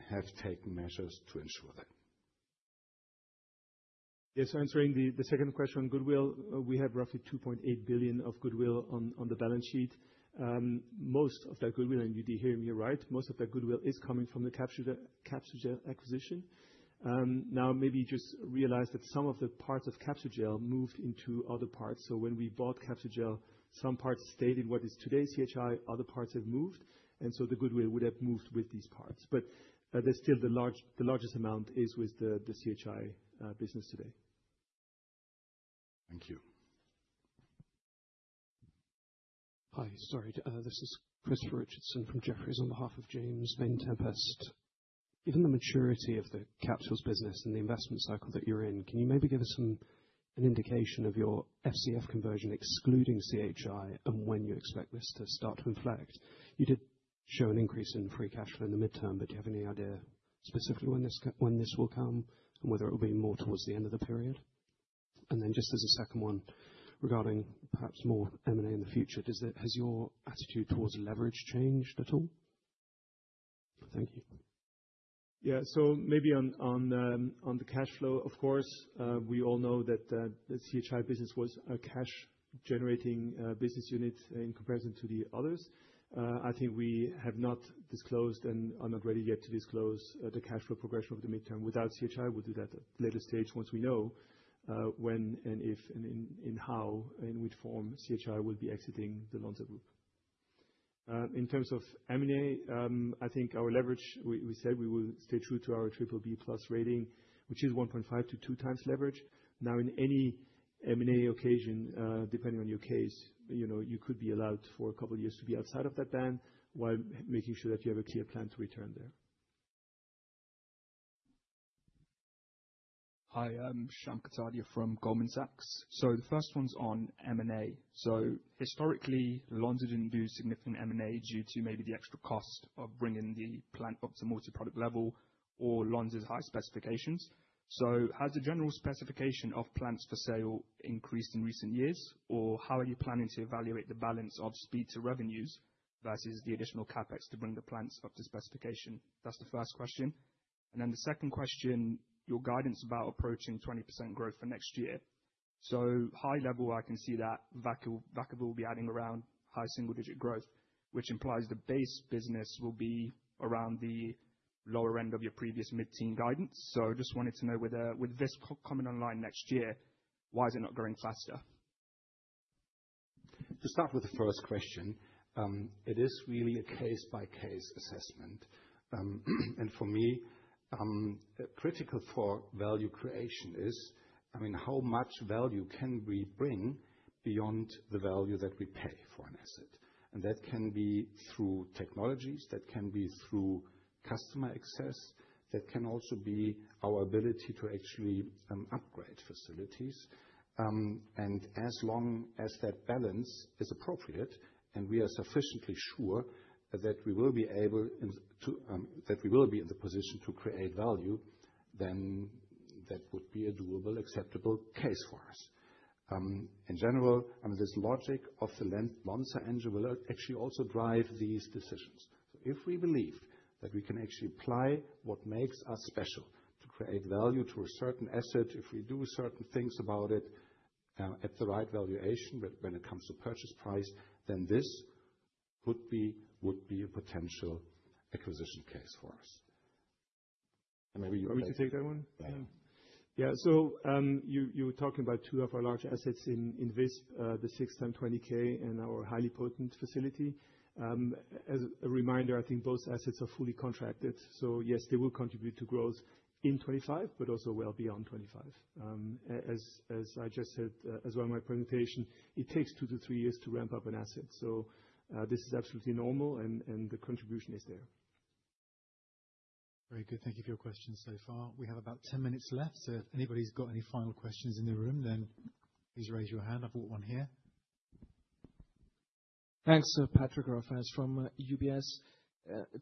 have taken measures to ensure that. Yes. Answering the second question, goodwill, we have roughly 2.8 billion of goodwill on the balance sheet. Most of that goodwill, and you did hear me right, most of that goodwill is coming from the Capsugel acquisition. Now, maybe just realize that some of the parts of Capsugel moved into other parts. So when we bought Capsugel, some parts stayed in what is today CHI, other parts have moved. And so the Goodwill would have moved with these parts. But there's still the largest amount is with the CHI business today. Thank you. Hi. Sorry. This is Christopher Richardson from Jefferies on behalf of James Vane-Tempest. Given the maturity of the Capsules business and the investment cycle that you're in, can you maybe give us an indication of your FCF conversion excluding CHI and when you expect this to start to inflect? You did show an increase in free cash flow in the midterm, but do you have any idea specifically when this will come and whether it will be more towards the end of the period? And then just as a second one regarding perhaps more M&A in the future, has your attitude towards leverage changed at all? Thank you. Yeah. So maybe on the cash flow, of course, we all know that the CHI business was a cash-generating business unit in comparison to the others. I think we have not disclosed and are not ready yet to disclose the cash flow progression over the midterm without CHI. We'll do that at a later stage once we know when and if and in how and in which form CHI will be exiting the Lonza Group. In terms of M&A, I think our leverage, we said we will stay true to our triple B plus rating, which is 1.5-2 times leverage. Now, in any M&A occasion, depending on your case, you could be allowed for a couple of years to be outside of that band while making sure that you have a clear plan to return there. Hi. I'm Shyam Kotadia from Goldman Sachs. So the first one's on M&A. So historically, Lonza didn't do significant M&A due to maybe the extra cost of bringing the plant up to multi-product level or Lonza's high specifications. So has the general specification of plants for sale increased in recent years, or how are you planning to evaluate the balance of speed to revenues versus the additional CapEx to bring the plants up to specification? That's the first question. And then the second question, your guidance about approaching 20% growth for next year. So high level, I can see that Vacaville will be adding around high single-digit growth, which implies the base business will be around the lower end of your previous mid-teens guidance. So just wanted to know with this coming online next year, why is it not going faster? To start with the first question, it is really a case-by-case assessment. For me, critical for value creation is, I mean, how much value can we bring beyond the value that we pay for an asset? That can be through technologies, that can be through customer access, that can also be our ability to actually upgrade facilities. As long as that balance is appropriate and we are sufficiently sure that we will be able to, that we will be in the position to create value, then that would be a doable, acceptable case for us. In general, I mean, this logic of the Lonza Engine will actually also drive these decisions. If we believe that we can actually apply what makes us special to create value to a certain asset, if we do certain things about it at the right valuation when it comes to purchase price, then this would be a potential acquisition case for us. And maybe you already take that one. Yeah. Yeah. So you were talking about two of our large assets in Visp, the 6-time 20K and our highly potent facility. As a reminder, I think both assets are fully contracted. So yes, they will contribute to growth in 25, but also well beyond 25. As I just said as well in my presentation, it takes two to three years to ramp up an asset. So this is absolutely normal, and the contribution is there. Very good. Thank you for your questions so far. We have about 10 minutes left. So if anybody's got any final questions in the room, then please raise your hand. I've got one here. Thanks. Patrick Rafaisz from UBS.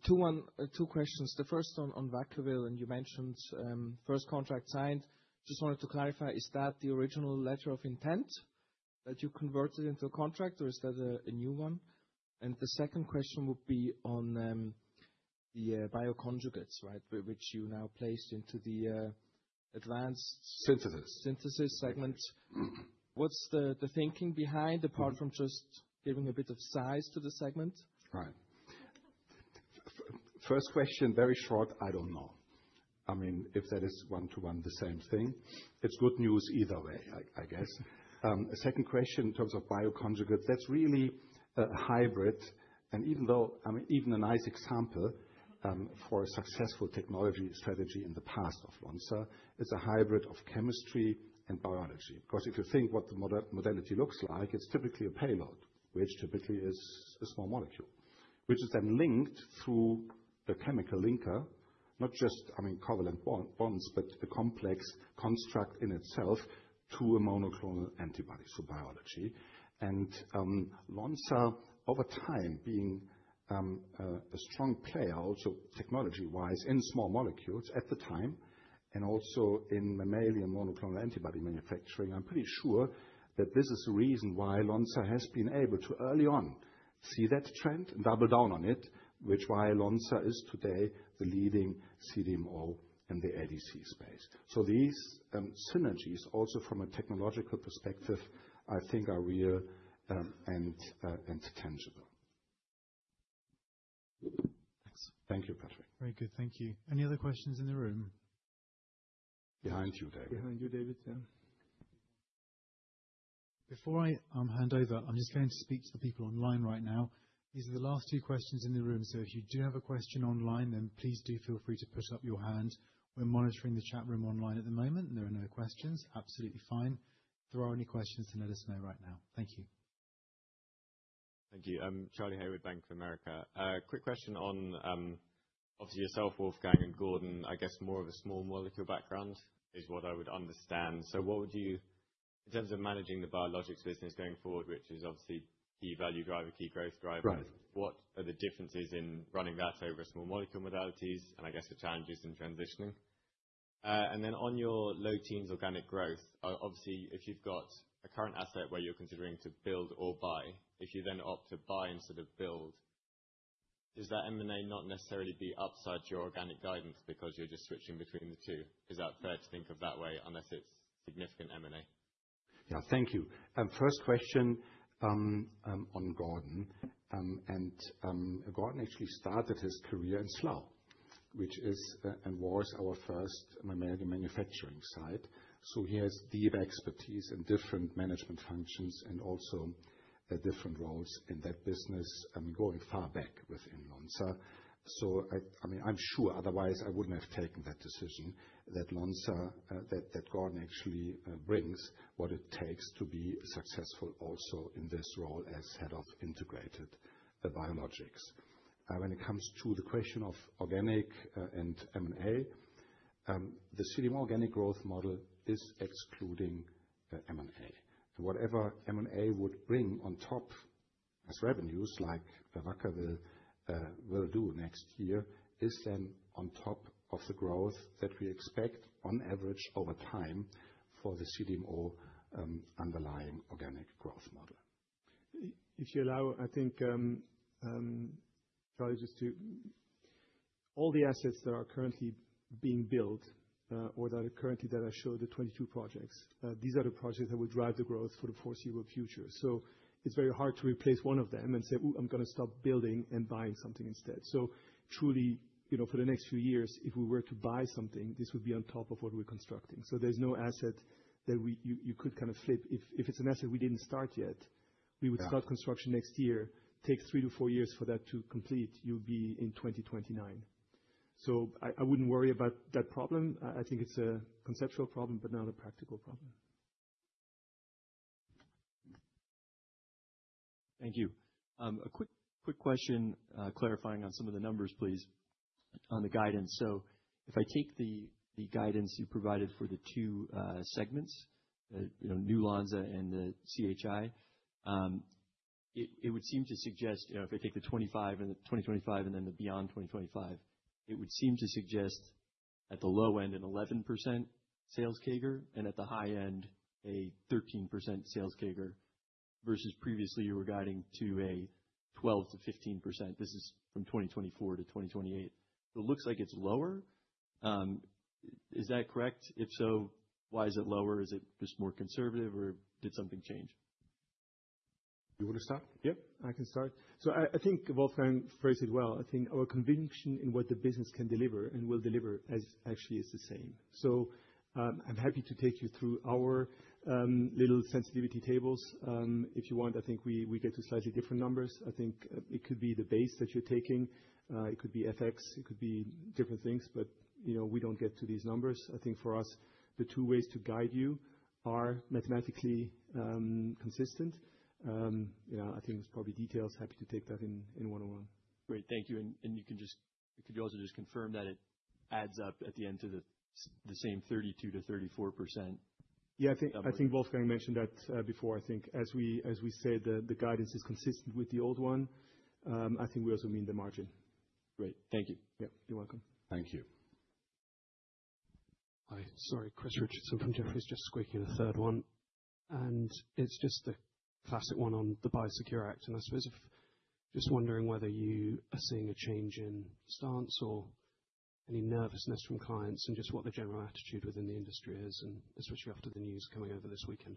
Two questions. The first one on Vacaville, and you mentioned first contract signed. Just wanted to clarify, is that the original letter of intent that you converted into a contract, or is that a new one? And the second question would be on the bioconjugates, right, which you now placed into the Advanced Synthesis segment. What's the thinking behind, apart from just giving a bit of size to the segment? Right. First question, very short, I don't know. I mean, if that is one-to-one the same thing, it's good news either way, I guess. Second question in terms of bioconjugates, that's really a hybrid. And even though, I mean, even a nice example for a successful technology strategy in the past of Lonza, it's a hybrid of chemistry and biology. Because if you think what the modality looks like, it's typically a payload, which typically is a small molecule, which is then linked through a chemical linker, not just, I mean, covalent bonds, but a complex construct in itself to a monoclonal antibody, so biology. And Lonza, over time being a strong player, also technology-wise in small molecules at the time, and also in mammalian monoclonal antibody manufacturing, I'm pretty sure that this is the reason why Lonza has been able to early on see that trend and double down on it, which why Lonza is today the leading CDMO in the ADC space. So these synergies, also from a technological perspective, I think are real and tangible. Thanks. Thank you, Patrick. Very good. Thank you. Any other questions in the room? Behind you, David. Behind you, David, yeah. Before I hand over, I'm just going to speak to the people online right now. These are the last two questions in the room. So if you do have a question online, then please do feel free to put up your hand. We're monitoring the chat room online at the moment. There are no questions. Absolutely fine. If there are any questions, then let us know right now. Thank you. Thank you. Charles Hayward, Bank of America. Quick question on, obviously, yourself, Wolfgang, and Gordon, I guess more of a small molecule background is what I would understand. So what would you, in terms of managing the biologics business going forward, which is obviously key value driver, key growth driver, what are the differences in running that over small molecule modalities and I guess the challenges in transitioning? Then on your low teens organic growth, obviously, if you've got a current asset where you're considering to build or buy, if you then opt to buy instead of build, is that M&A not necessarily be upside your organic guidance because you're just switching between the two? Is that fair to think of that way unless it's significant M&A? Yeah. Thank you. First question on Gordon. Gordon actually started his career in Slough, which is and was our first mammalian manufacturing site. He has deep expertise in different management functions and also different roles in that business, I mean, going far back within Lonza. I mean, I'm sure otherwise I wouldn't have taken that decision that Gordon actually brings what it takes to be successful also in this role as head of Integrated Biologics. When it comes to the question of organic and M&A, the CDMO organic growth model is excluding M&A. Whatever M&A would bring on top as revenues, like Vacaville will do next year, is then on top of the growth that we expect on average over time for the CDMO underlying organic growth model. If you allow, I think, Charlie, just to all the assets that are currently being built or that I showed, the 22 projects, these are the projects that will drive the growth for the foreseeable future. So it's very hard to replace one of them and say, "Ooh, I'm going to stop building and buying something instead." So truly, for the next few years, if we were to buy something, this would be on top of what we're constructing. So there's no asset that you could kind of flip. If it's an asset we didn't start yet, we would start construction next year, take three to four years for that to complete, you'd be in 2029. So I wouldn't worry about that problem. I think it's a conceptual problem, but not a practical problem. Thank you. A quick question clarifying on some of the numbers, please, on the guidance. So if I take the guidance you provided for the two segments, new Lonza and the CHI, it would seem to suggest if I take the 2025 and then the beyond 2025, it would seem to suggest at the low end an 11% sales CAGR and at the high end a 13% sales CAGR versus previously you were guiding to a 12%-15%. This is from 2024 to 2028. So it looks like it's lower. Is that correct? If so, why is it lower? Is it just more conservative or did something change? You want to start? Yep. I can start. So I think Wolfgang phrased it well. I think our conviction in what the business can deliver and will deliver actually is the same. So I'm happy to take you through our little sensitivity tables. If you want, I think we get to slightly different numbers. I think it could be the base that you're taking. It could be FX. It could be different things, but we don't get to these numbers. I think for us, the two ways to guide you are mathematically consistent. I think it's probably details. Happy to take that in one-on-one. Great. Thank you. And could you also just confirm that it adds up at the end to the same 32%-34%? Yeah. I think Wolfgang mentioned that before. I think as we said, the guidance is consistent with the old one. I think we also mean the margin. Great. Thank you. Yep. You're welcome. Thank you. Hi. Sorry. Chris Richardson from Jefferies just squeaking the third one. And it's just the classic one on the Biosecure Act. And I suppose just wondering whether you are seeing a change in stance or any nervousness from clients and just what the general attitude within the industry is and especially after the news coming over this weekend.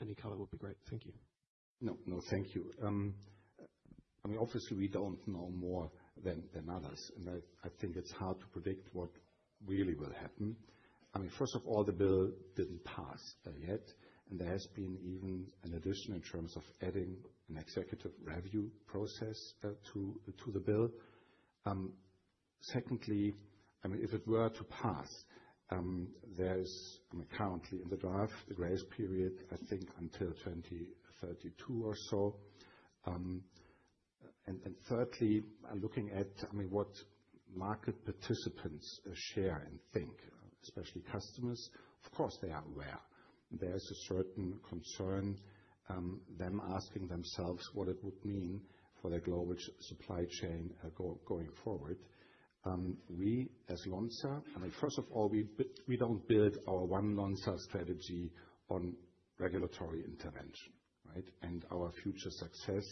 Any color would be great. Thank you. No. No. Thank you. I mean, obviously, we don't know more than others. And I think it's hard to predict what really will happen. I mean, first of all, the bill didn't pass yet. And there has been even an addition in terms of adding an executive review process to the bill. Secondly, I mean, if it were to pass, there is currently in the draft, the grace period, I think until 2032 or so. And thirdly, looking at, I mean, what market participants share and think, especially customers, of course, they are aware. There is a certain concern them asking themselves what it would mean for their global supply chain going forward. We, as Lonza, I mean, first of all, we don't build our One Lonza strategy on regulatory intervention, right? And our future success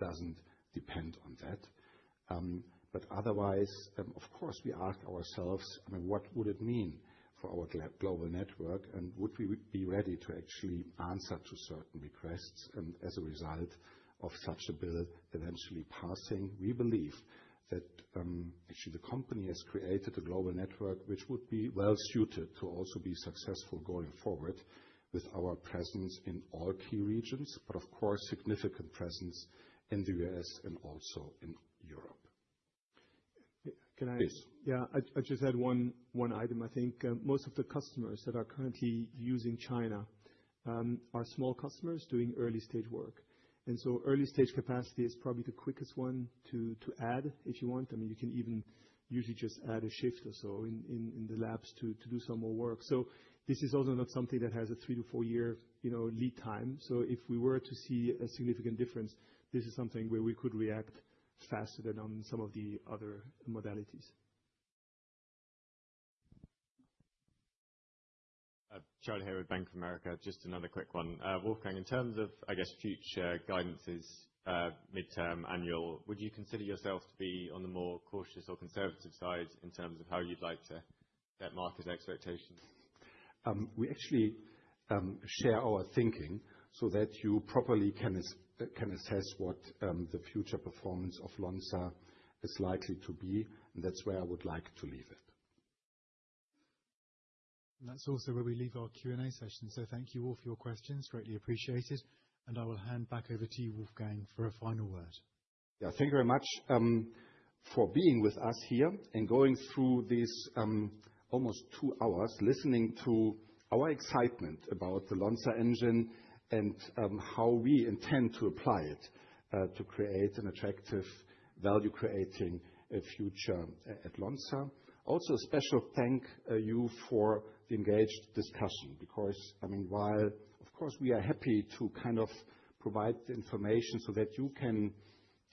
doesn't depend on that. But otherwise, of course, we ask ourselves, I mean, what would it mean for our global network? And would we be ready to actually answer to certain requests as a result of such a bill eventually passing? We believe that actually the company has created a global network, which would be well suited to also be successful going forward with our presence in all key regions, but of course, significant presence in the U.S. and also in Europe. Can I? Please. Yeah. I just had one item. I think most of the customers that are currently using China are small customers doing early-stage work, and so early-stage capacity is probably the quickest one to add, if you want. I mean, you can even usually just add a shift or so in the labs to do some more work. So this is also not something that has a three-to-four-year lead time. So if we were to see a significant difference, this is something where we could react faster than on some of the other modalities. Charlie Haywood, Bank of America. Just another quick one. Wolfgang, in terms of, I guess, future guidances, midterm, annual, would you consider yourself to be on the more cautious or conservative side in terms of how you'd like to set market expectations? We actually share our thinking so that you properly can assess what the future performance of Lonza is likely to be. And that's where I would like to leave it. And that's also where we leave our Q&A session. So thank you all for your questions. Greatly appreciated. And I will hand back over to you, Wolfgang, for a final word. Yeah. Thank you very much for being with us here and going through these almost two hours listening to our excitement about the Lonza Engine and how we intend to apply it to create an attractive, value-creating future at Lonza. Also, a special thank you for the engaged discussion because, I mean, while, of course, we are happy to kind of provide the information so that you can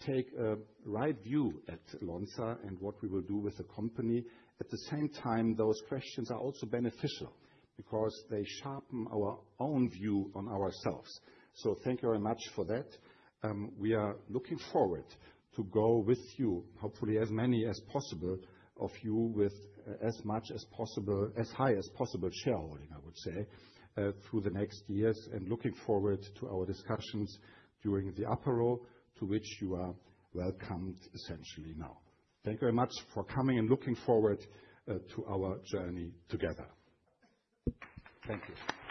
take a right view at Lonza and what we will do with the company, at the same time, those questions are also beneficial because they sharpen our own view on ourselves. So thank you very much for that. We are looking forward to go with you, hopefully as many as possible of you with as much as possible, as high as possible shareholding, I would say, through the next years and looking forward to our discussions during the apéro, to which you are welcomed essentially now. Thank you very much for coming and looking forward to our journey together. Thank you.